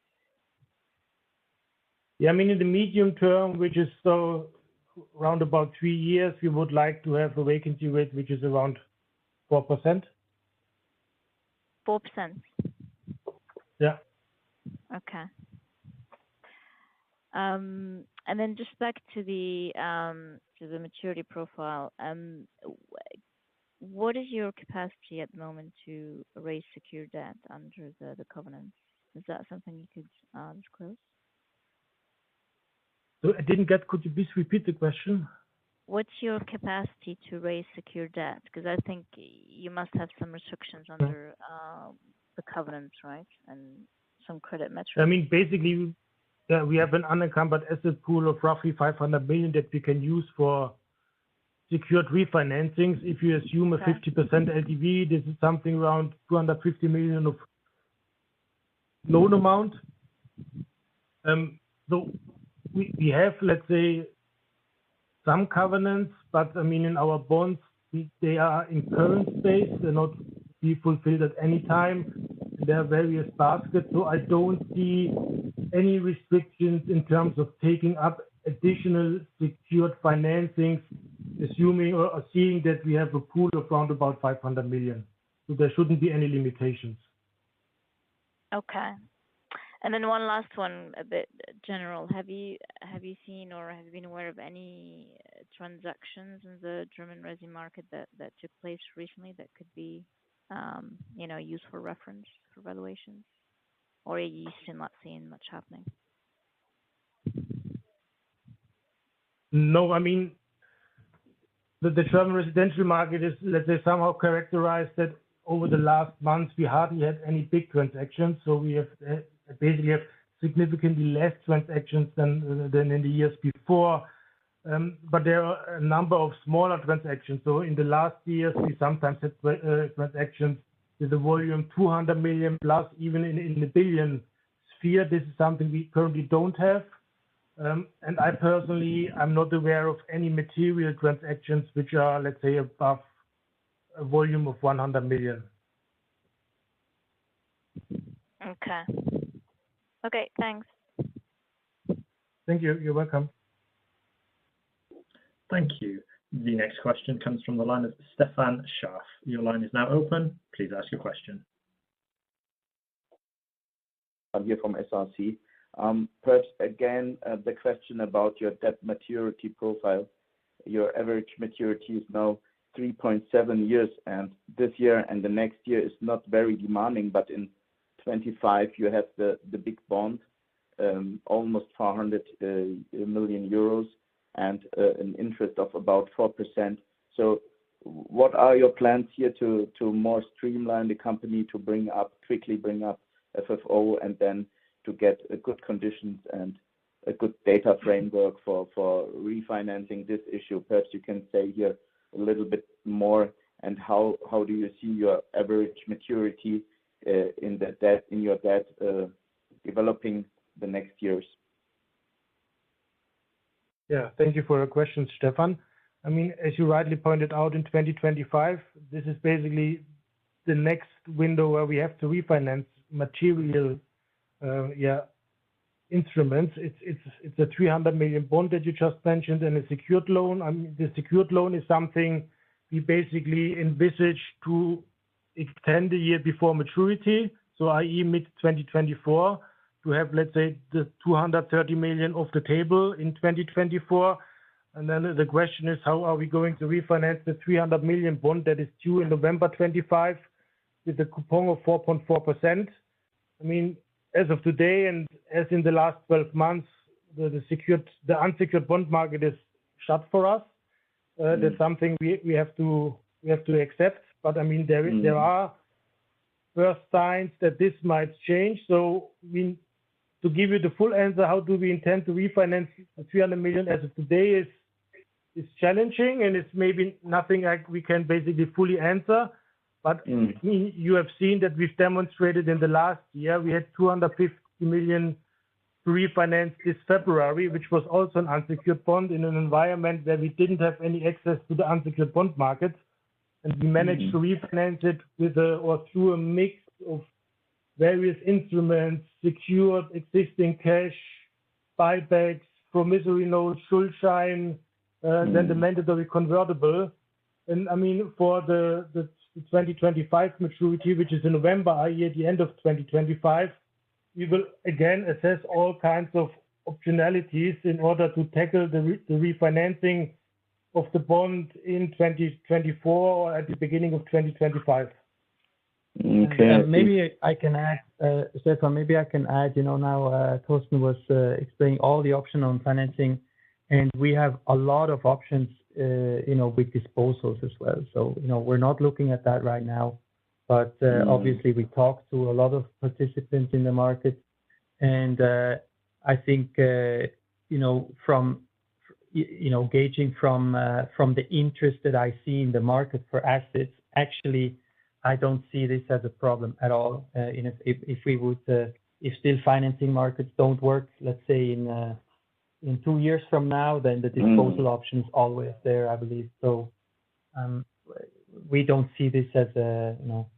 Yeah. I mean, in the medium term, which is so round about three years, we would like to have a vacancy rate, which is around 4%. 4%? Yeah. Okay. Then just back to the, to the maturity profile. What is your capacity at the moment to raise secure debt under the covenants? Is that something you could disclose? I didn't get. Could you please repeat the question? What's your capacity to raise secure debt? 'Cause I think you must have some restrictions under. Yeah. The covenants, right? Some credit metrics. I mean, basically, yeah, we have an unencumbered asset pool of roughly 500 million that we can use for secured refinancings. Okay. A 50% LTV, this is something around 250 million of loan amount. We have, let's say, some covenants, but I mean, in our bonds, they are in current space. They're not being fulfilled at any time. There are various baskets. I don't see any restrictions in terms of taking up additional secured financings, assuming or seeing that we have a pool of round about 500 million. There shouldn't be any limitations. Okay. One last one, a bit general. Have you seen or have you been aware of any transactions in the German resi market that took place recently that could be, you know, used for reference for valuations? Are you still not seeing much happening? No. I mean, the German residential market is, let's say, somehow characterized that over the last months, we hardly had any big transactions. We basically have significantly less transactions than in the years before. There are a number of smaller transactions. In the last years, we sometimes had transactions with a volume 200 million plus even in the billions sphere. This is something we currently don't have. I personally, I'm not aware of any material transactions which are, let's say, above a volume of 100 million. Okay. Okay, thanks. Thank you. You're welcome. Thank you. The next question comes from the line of Stefan Scharff. Your line is now open. Please ask your question. I'm here from SRC. First, again, the question about your debt maturity profile. Your average maturity is now 3.7 years, and this year and the next year is not very demanding, but in 2025, you have the big bond, almost 400 million euros and an interest of about 4%. What are your plans here to more streamline the company to quickly bring up FFO and then to get good conditions and a good data framework for refinancing this issue? First, you can say here a little bit more and how do you see your average maturity in the debt, in your debt, developing the next years? Yeah. Thank you for your question, Stefan. I mean, as you rightly pointed out in 2025, this is basically the next window where we have to refinance material, yeah, instruments. It's a 300 million bond that you just mentioned and a secured loan. I mean, the secured loan is something we basically envisage to extend a year before maturity. I.e., mid-2024, to have, let's say, the 230 million off the table in 2024. The question is: How are we going to refinance the 300 million bond that is due in November 2025 with a coupon of 4.4%? I mean, as of today and as in the last 12 months, the unsecured bond market is shut for us. That's something we have to accept. I mean. Mm-hmm. There are first signs that this might change. To give you the full answer, how do we intend to refinance the 300 million as of today is. It's challenging, and it's maybe nothing like we can basically fully answer. I mean, you have seen that we've demonstrated in the last year, we had 250 million refinanced this February, which was also an unsecured bond in an environment where we didn't have any access to the unsecured bond market. We managed to refinance it with a, or through a mix of various instruments, secured existing cash, buybacks, promissory notes, Schuldschein, then the mandatory convertible. I mean, for the 2025 maturity, which is in November, i.e., at the end of 2025, we will again assess all kinds of optionalities in order to tackle the refinancing of the bond in 2024 or at the beginning of 2025. Okay. Maybe I can add, Stefan. Maybe I can add, you know, now, Thorsten was explaining all the option on financing, and we have a lot of options, you know, with disposals as well. You know, we're not looking at that right now but obviously we talked to a lot of participants in the market. I think, you know, from, gauging from the interest that I see in the market for assets, actually, I don't see this as a problem at all. If we would, if still financing markets don't work, let's say in two years from now, then the disposal option is always there, I believe. We don't see this as a, you know,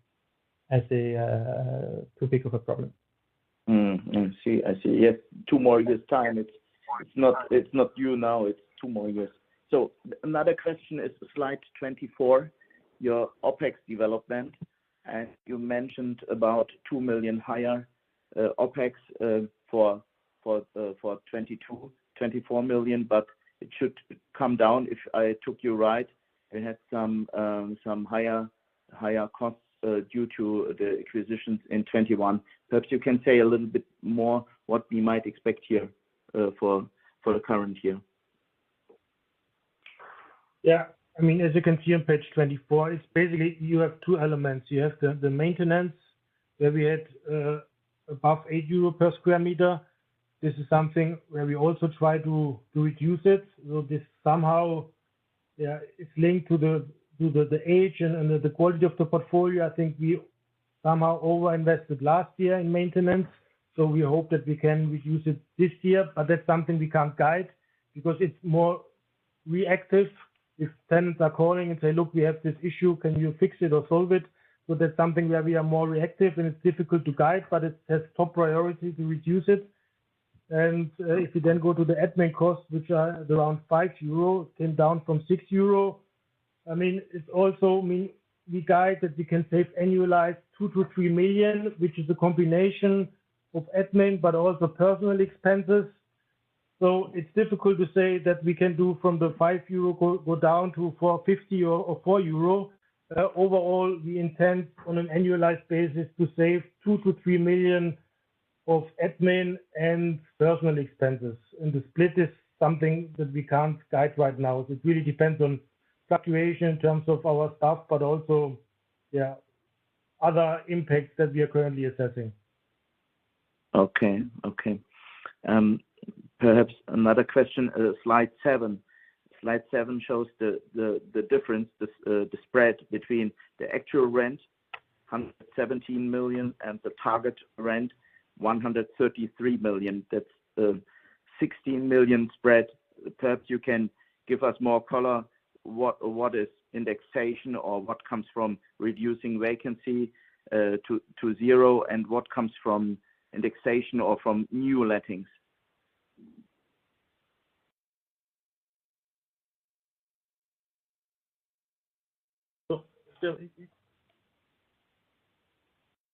as a too big of a problem. I see, I see. Yeah. two more years time. It's not due now, it's two more years. Another question is slide 24, your OpEx development. As you mentioned, about 2 million higher OpEx for 24 million, but it should come down. If I took you right, it had some higher costs due to the acquisitions in 2021. Perhaps you can say a little bit more what we might expect here for the current year. I mean, as you can see on page 24, it's basically you have two elements. You have the maintenance where we had above 8 euro per square meter. This is something where we also try to reduce it. Will this somehow, it's linked to the age and the quality of the portfolio. I think we somehow over-invested last year in maintenance, so we hope that we can reduce it this year. That's something we can't guide because it's more reactive. If tenants are calling and say, "Look, we have this issue, can you fix it or solve it?" That's something where we are more reactive, and it's difficult to guide, but it has top priority to reduce it. If you then go to the admin costs, which are around 5 euro, came down from 6 euro. I mean, it also mean we guide that we can save annualized 2 million-3 million, which is a combination of admin, but also personal expenses. It's difficult to say that we can do from the 5 euro go down to 4.50 or 4 euro. Overall, we intend on an annualized basis to save 2 million-3 million of admin and personal expenses. The split is something that we can't guide right now. It really depends on fluctuation in terms of our staff, but also, other impacts that we are currently assessing. Okay. Okay. Perhaps another question. Slide seven. Slide seven shows the difference, the spread between the actual rent, 117 million, and the target rent, 133 million. That's 16 million spread. Perhaps you can give us more color. What is indexation or what comes from reducing vacancy to zero, and what comes from indexation or from new lettings?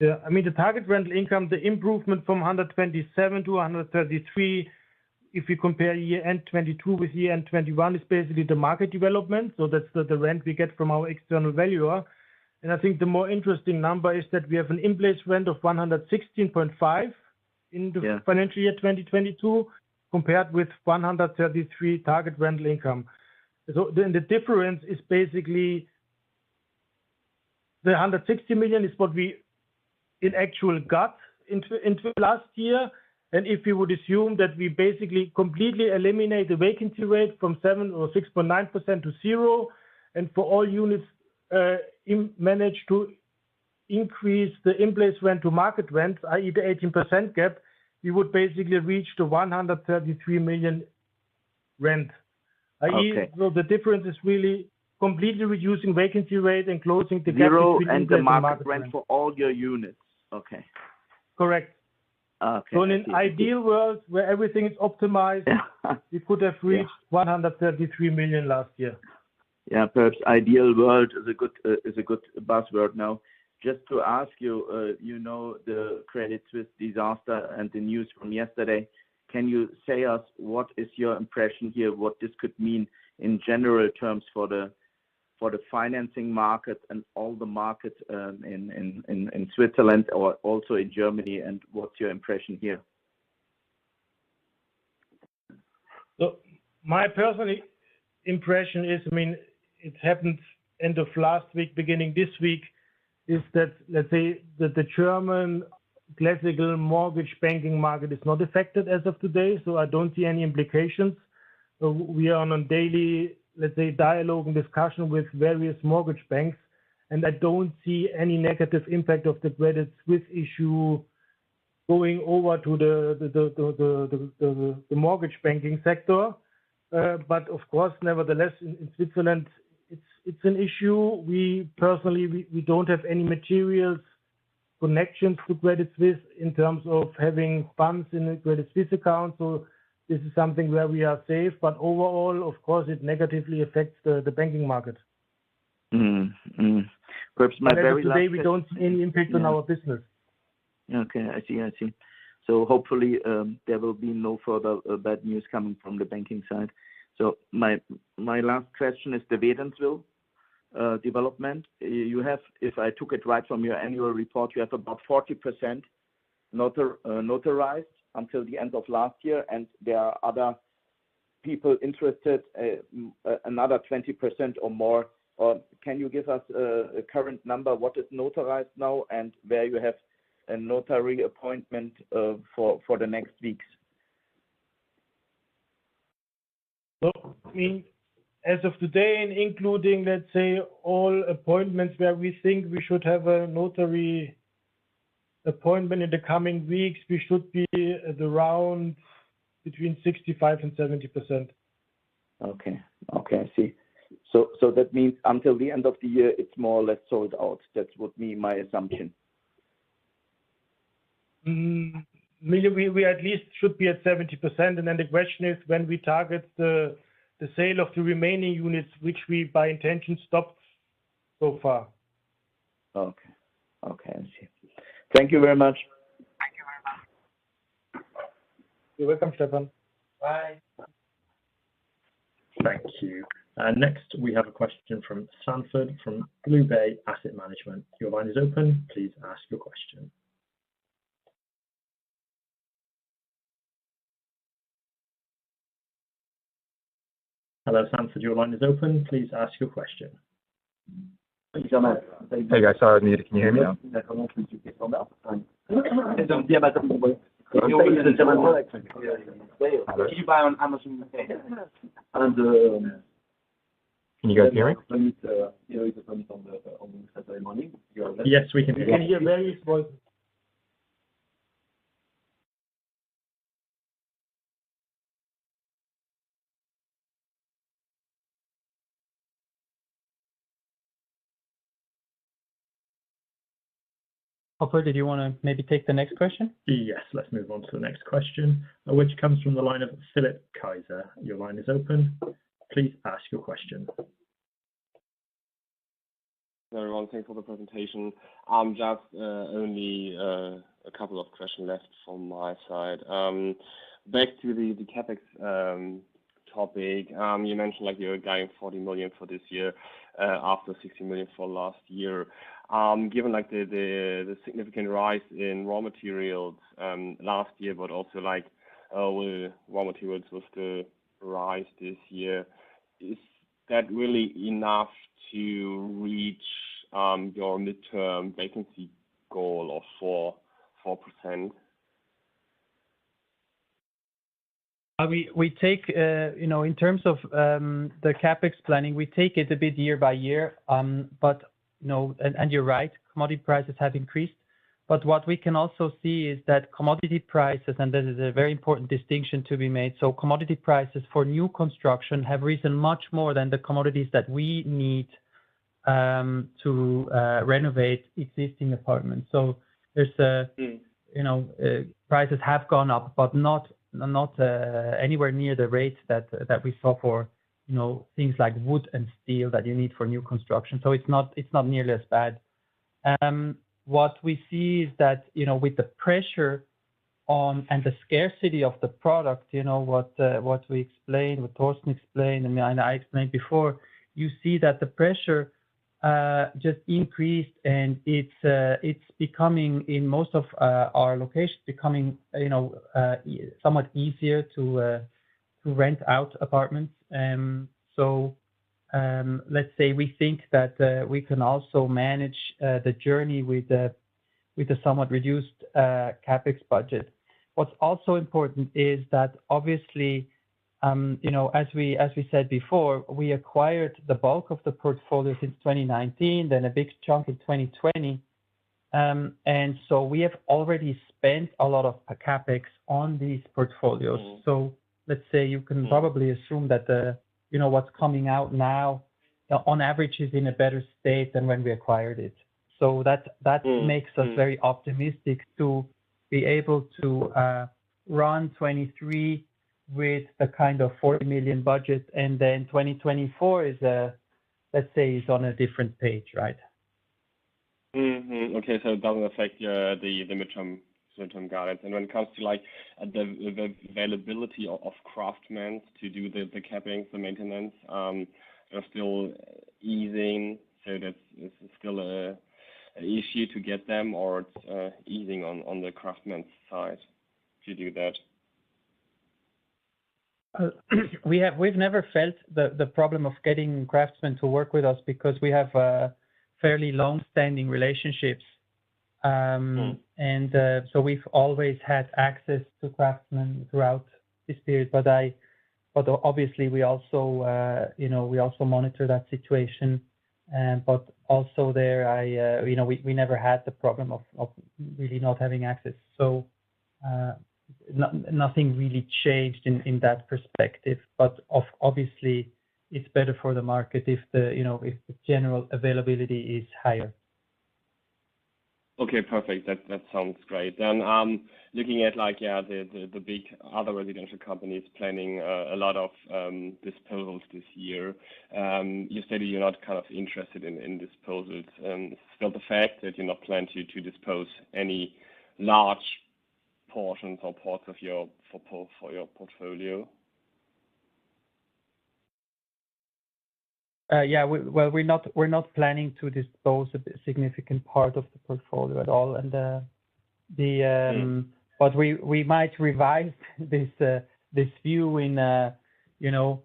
Yeah. I mean, the target rental income, the improvement from 127 to 133, if you compare year-end 2022 with year-end 2021, is basically the market development. That's the rent we get from our external valuer. I think the more interesting number is that we have an in-place rent of 116.5 in the - Yeah. Financial year 2022, compared with 133 million target rental income. The difference is basically. The 160 million is what we in actual got into last year. If you would assume that we basically completely eliminate the vacancy rate from 7% or 6.9% to 0%, and for all units, manage to increase the in-place rent to market rent, i.e., the 18% gap, you would basically reach to 133 million rent. Okay. I.e., the difference is really completely reducing vacancy rate and closing the gap. Zero the market rent for all your units. Okay. Correct. Okay. In an ideal world where everything is optimized, we could have reached 133 million last year. Perhaps ideal world is a good, is a good buzzword. Now, just to ask you know, the Credit Suisse disaster and the news from yesterday, can you say us what is your impression here? What this could mean in general terms for the, for the financing market and all the markets, in Switzerland or also in Germany, and what's your impression here? My personal impression is, I mean, it happened end of last week, beginning this week. Is that, let's say, that the German classical mortgage banking market is not affected as of today, so I don't see any implications. We are on a daily, let's say, dialogue and discussion with various mortgage banks, and I don't see any negative impact of the Credit Suisse issue going over to the mortgage banking sector. Of course, nevertheless, in Switzerland, it's an issue. We personally, we don't have any material connections to Credit Suisse in terms of having funds in a Credit Suisse account. This is something where we are safe. Overall, of course, it negatively affects the banking market. Mm-hmm. Mm-hmm. Perhaps my very last- As of today, we don't see any impact on our business. I see. I see. Hopefully, there will be no further bad news coming from the banking side. My last question is the Wädenswil development. If I took it right from your annual report, you have about 40% notarized until the end of last year, and there are other people interested, another 20% or more. Can you give us a current number, what is notarized now and where you have a notary appointment for the next weeks? As of today, including, let's say, all appointments where we think we should have a notary appointment in the coming weeks, we should be at around between 65 and 70%. Okay. Okay, I see. That means until the end of the year, it's more or less sold out. That would be my assumption. Mm-hmm. Maybe we at least should be at 70%. The question is when we target the sale of the remaining units, which we by intention stopped so far. Okay. Okay, I see. Thank you very much. You're welcome, Stefan. Bye. Thank you. Next, we have a question from Sanford, from BlueBay Asset Management. Your line is open. Please ask your question. Hello, Sanford. Your line is open. Please ask your question. Hey, guys. Sorry I was muted. Can you hear me now? Yes, we can. We can hear very small... Operator, did you wanna maybe take the next question? Let's move on to the next question, which comes from the line of Philipp Kaiser. Your line is open. Please ask your question. Very well. Thanks for the presentation. Just only a couple of questions left from my side. Back to the CapEx topic. You mentioned, like, you're guiding 40 million for this year, after 60 million for last year. Given, like, the significant rise in raw materials last year, but also, like, raw materials with the rise this year. Is that really enough to reach your midterm vacancy goal of 4%? We take, in terms of the CapEx planning, we take it a bit year by year. You're right, commodity prices have increased. What we can also see is that commodity prices, and this is a very important distinction to be made. Commodity prices for new construction have risen much more than the commodities that we need to renovate existing apartments. There's. Mm-hmm. You know, prices have gone up, but not anywhere near the rates that we saw for, you know, things like wood and steel that you need for new construction. It's not, it's not nearly as bad. What we see is that, you know, with the pressure on and the scarcity of the product, you know, what we explained, what Thorsten explained, and I explained before, you see that the pressure just increased, and it's becoming, in most of our locations, becoming, you know, somewhat easier to rent out apartments. Let's say we think that we can also manage the journey with a somewhat reduced CapEx budget. What's also important is that obviously, you know, as we, as we said before, we acquired the bulk of the portfolio since 2019, then a big chunk in 2020. We have already spent a lot of CapEx on these portfolios. Mm-hmm. Let's say you can probably assume that the, you know, what's coming out now on average is in a better state than when we acquired it. That makes us very optimistic to be able to run 2023 with a kind of 40 million budget. 2024 is, let's say, is on a different page, right? Okay. It doesn't affect the midterm guidance. When it comes to, like, the availability of craftsmen to do the capping for maintenance, are still easing. That's still an issue to get them or it's easing on the craftsmen side to do that? We've never felt the problem of getting craftsmen to work with us because we have fairly long-standing relationships. Mm-hmm. We've always had access to craftsmen throughout this period. Obviously we also, you know, we also monitor that situation. Also there I, you know, we never had the problem of really not having access. Nothing really changed in that perspective. Obviously it's better for the market if the, you know, if the general availability is higher. Okay, perfect. That sounds great. Looking at like, yeah, the big other residential companies planning a lot of disposals this year. You stated you're not kind of interested in disposals. Still the fact that you're not planning to dispose any large portions or parts of your portfolio? Yeah. Well, we're not planning to dispose a significant part of the portfolio at all. Mm-hmm. We might revise this view in, you know,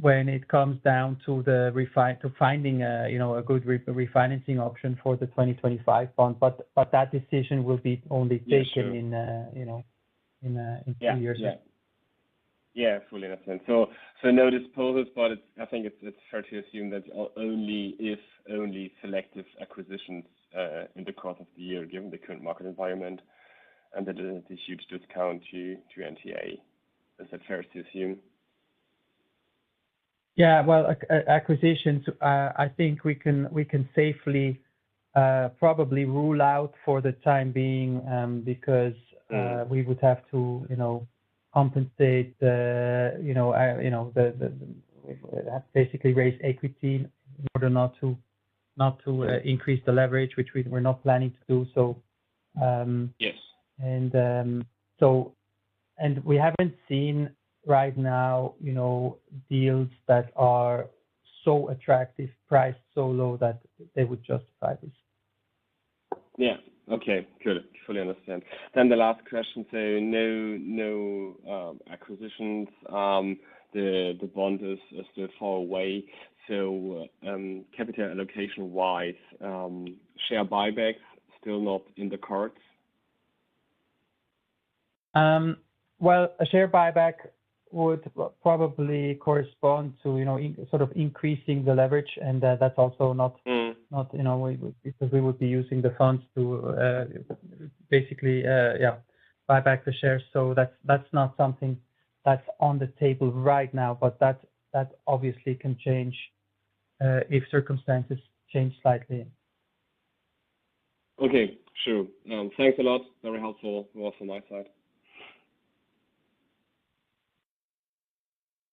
when it comes down to finding a, you know, a good refinancing option for the 2025 bond. That decision will be only taken. Yeah, sure. In, you know, in two years' time. Yeah. Yeah. Yeah. Fully understand. No disposals, but I think it's fair to assume that only selective acquisitions in the course of the year, given the current market environment and the huge discount to NTA. Is that fair to assume? Well, acquisitions, I think we can safely, probably rule out for the time being, because. Mm-hmm. We would have to, you know, compensate, you know, you know, Have to basically raise equity in order not to, not to, increase the leverage, which we're not planning to do so. Yes. So. We haven't seen right now, you know, deals that are so attractive, priced so low that they would justify this. Yeah. Okay. Good. Fully understand. The last question, no acquisitions. The bond is still far away. Capital allocation wise, share buyback still not in the cards? Well, a share buyback would probably correspond to, you know, increasing the leverage. That's also not. Mm-hmm. You know, we would be using the funds to basically buy back the shares. That's not something that's on the table right now. That obviously can change if circumstances change slightly. Okay. Sure. thanks a lot. Very helpful also on my side.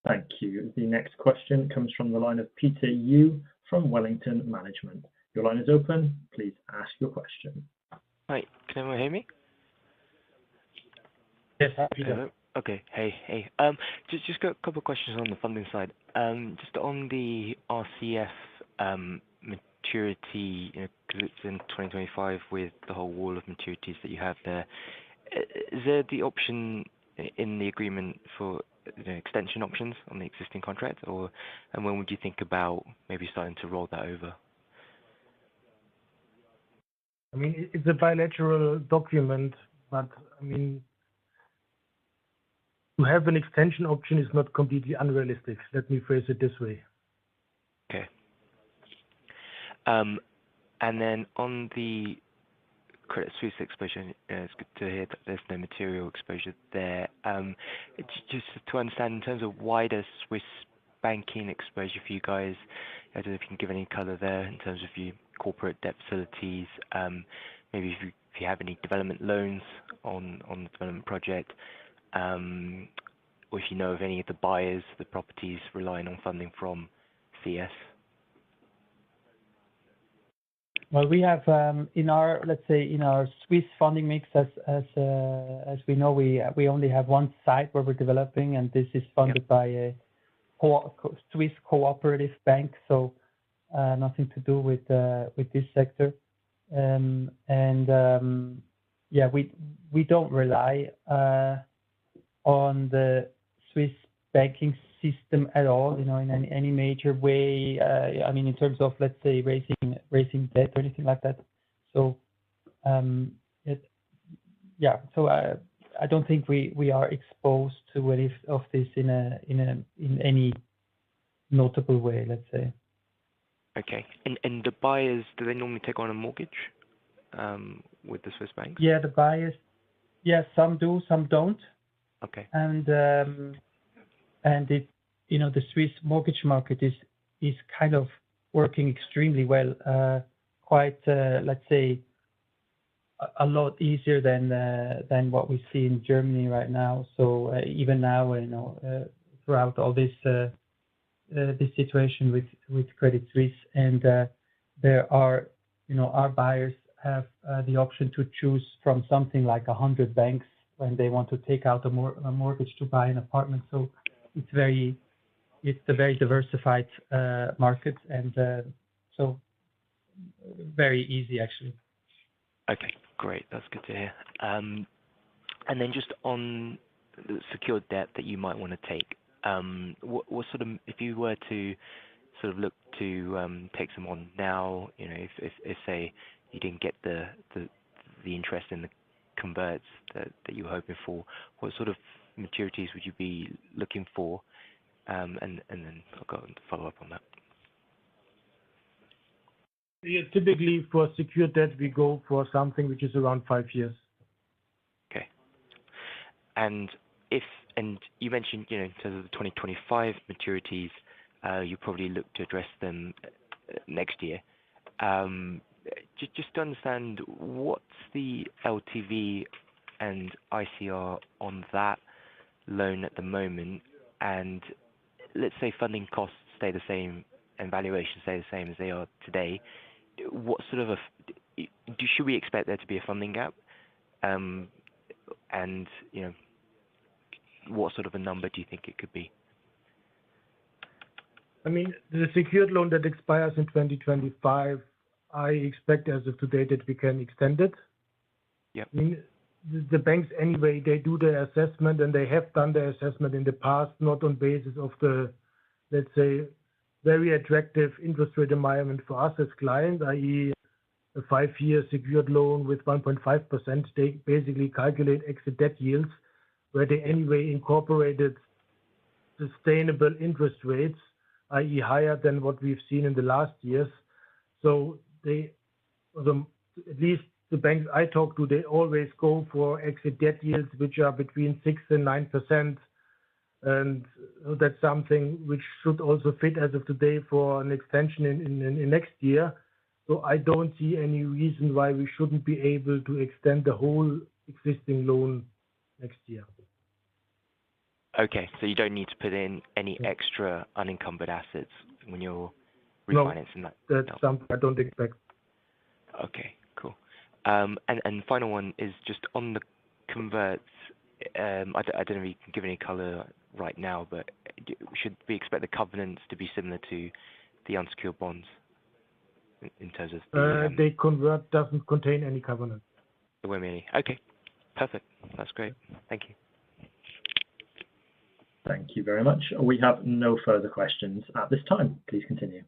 Thank you. The next question comes from the line of Peter Yu from Wellington Management. Your line is open. Please ask your question. Hi. Can everyone hear me? Yes, absolutely. Okay. Hey. Hey. Just got a couple questions on the funding side. Just on the RCF maturity, you know, 'cause it's in 2025 with the whole wall of maturities that you have there. Is there the option in the agreement for the extension options on the existing contract, or? When would you think about maybe starting to roll that over? I mean, it's a bilateral document, but I mean, to have an extension option is not completely unrealistic. Let me phrase it this way. Okay. On the Credit Suisse exposure, it's good to hear that there's no material exposure there. It's just to understand in terms of wider Swiss banking exposure for you guys. I don't know if you can give any color there in terms of your corporate debt facilities, maybe if you have any development loans on the development project, or if you know of any of the buyers of the properties relying on funding from CS. We have in our Swiss funding mix as we know, we only have one site where we're developing, and this is funded by a Swiss cooperative bank. Nothing to do with this sector. Yeah, we don't rely on the Swiss banking system at all, you know, in any major way. I mean, in terms of, let's say, raising debt or anything like that. Yeah. I don't think we are exposed to any of this in any notable way, let's say. Okay. The buyers, do they normally take on a mortgage with the Swiss banks? Yeah, the buyers... Yeah, some do, some don't. Okay. You know, the Swiss mortgage market is kind of working extremely well, quite, let's say a lot easier than what we see in Germany right now. Even now, you know, throughout all this situation with Credit Suisse. You know, our buyers have the option to choose from something like 100 banks when they want to take out a mortgage to buy an apartment. It's a very diversified market. Very easy, actually. Okay, great. That's good to hear. Then just on the secured debt that you might wanna take. If you were to sort of look to take some on now, you know, if, say, you didn't get the interest in the converts that you were hoping for, what sort of maturities would you be looking for? Then I'll go and follow up on that. Yeah, typically for secured debt, we go for something which is around five years. Okay. You mentioned, you know, in terms of the 2025 maturities, you probably look to address them next year. just to understand, what's the LTV and ICR on that loan at the moment? Let's say funding costs stay the same and valuations stay the same as they are today, Should we expect there to be a funding gap? you know, what sort of a number do you think it could be? I mean, the secured loan that expires in 2025, I expect as of today that we can extend it. Yeah. The banks anyway, they do their assessment, and they have done their assessment in the past, not on basis of the, let's say, very attractive interest rate environment for us as clients, i.e., a five-year secured loan with 1.5%. They basically calculate exit debt yields, where they anyway incorporated sustainable interest rates, i.e., higher than what we've seen in the last years. The, at least the banks I talk to, they always go for exit debt yields which are between 6% and 9%, and that's something which should also fit as of today for an extension in next year. I don't see any reason why we shouldn't be able to extend the whole existing loan next year. Okay. you don't need to put in any extra unencumbered assets when you're. No. refinancing that. That's something I don't expect. Okay, cool. Final one is just on the converts, I don't know if you can give any color right now, but should we expect the covenants to be similar to the unsecured bonds in terms of the? The convert doesn't contain any covenants. There weren't any. Okay, perfect. That's great. Thank you. Thank you very much. We have no further questions at this time. Please continue.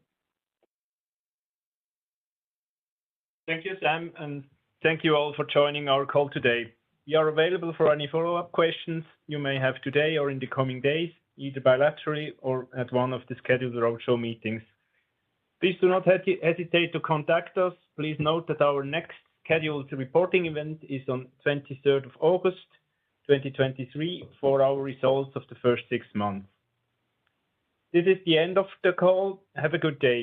Thank you, Sam, and thank you all for joining our call today. We are available for any follow-up questions you may have today or in the coming days, either bilaterally or at one of the scheduled roadshow meetings. Please do not hesitate to contact us. Please note that our next scheduled reporting event is on 23rd of August, 2023, for our results of the first six months. This is the end of the call. Have a good day.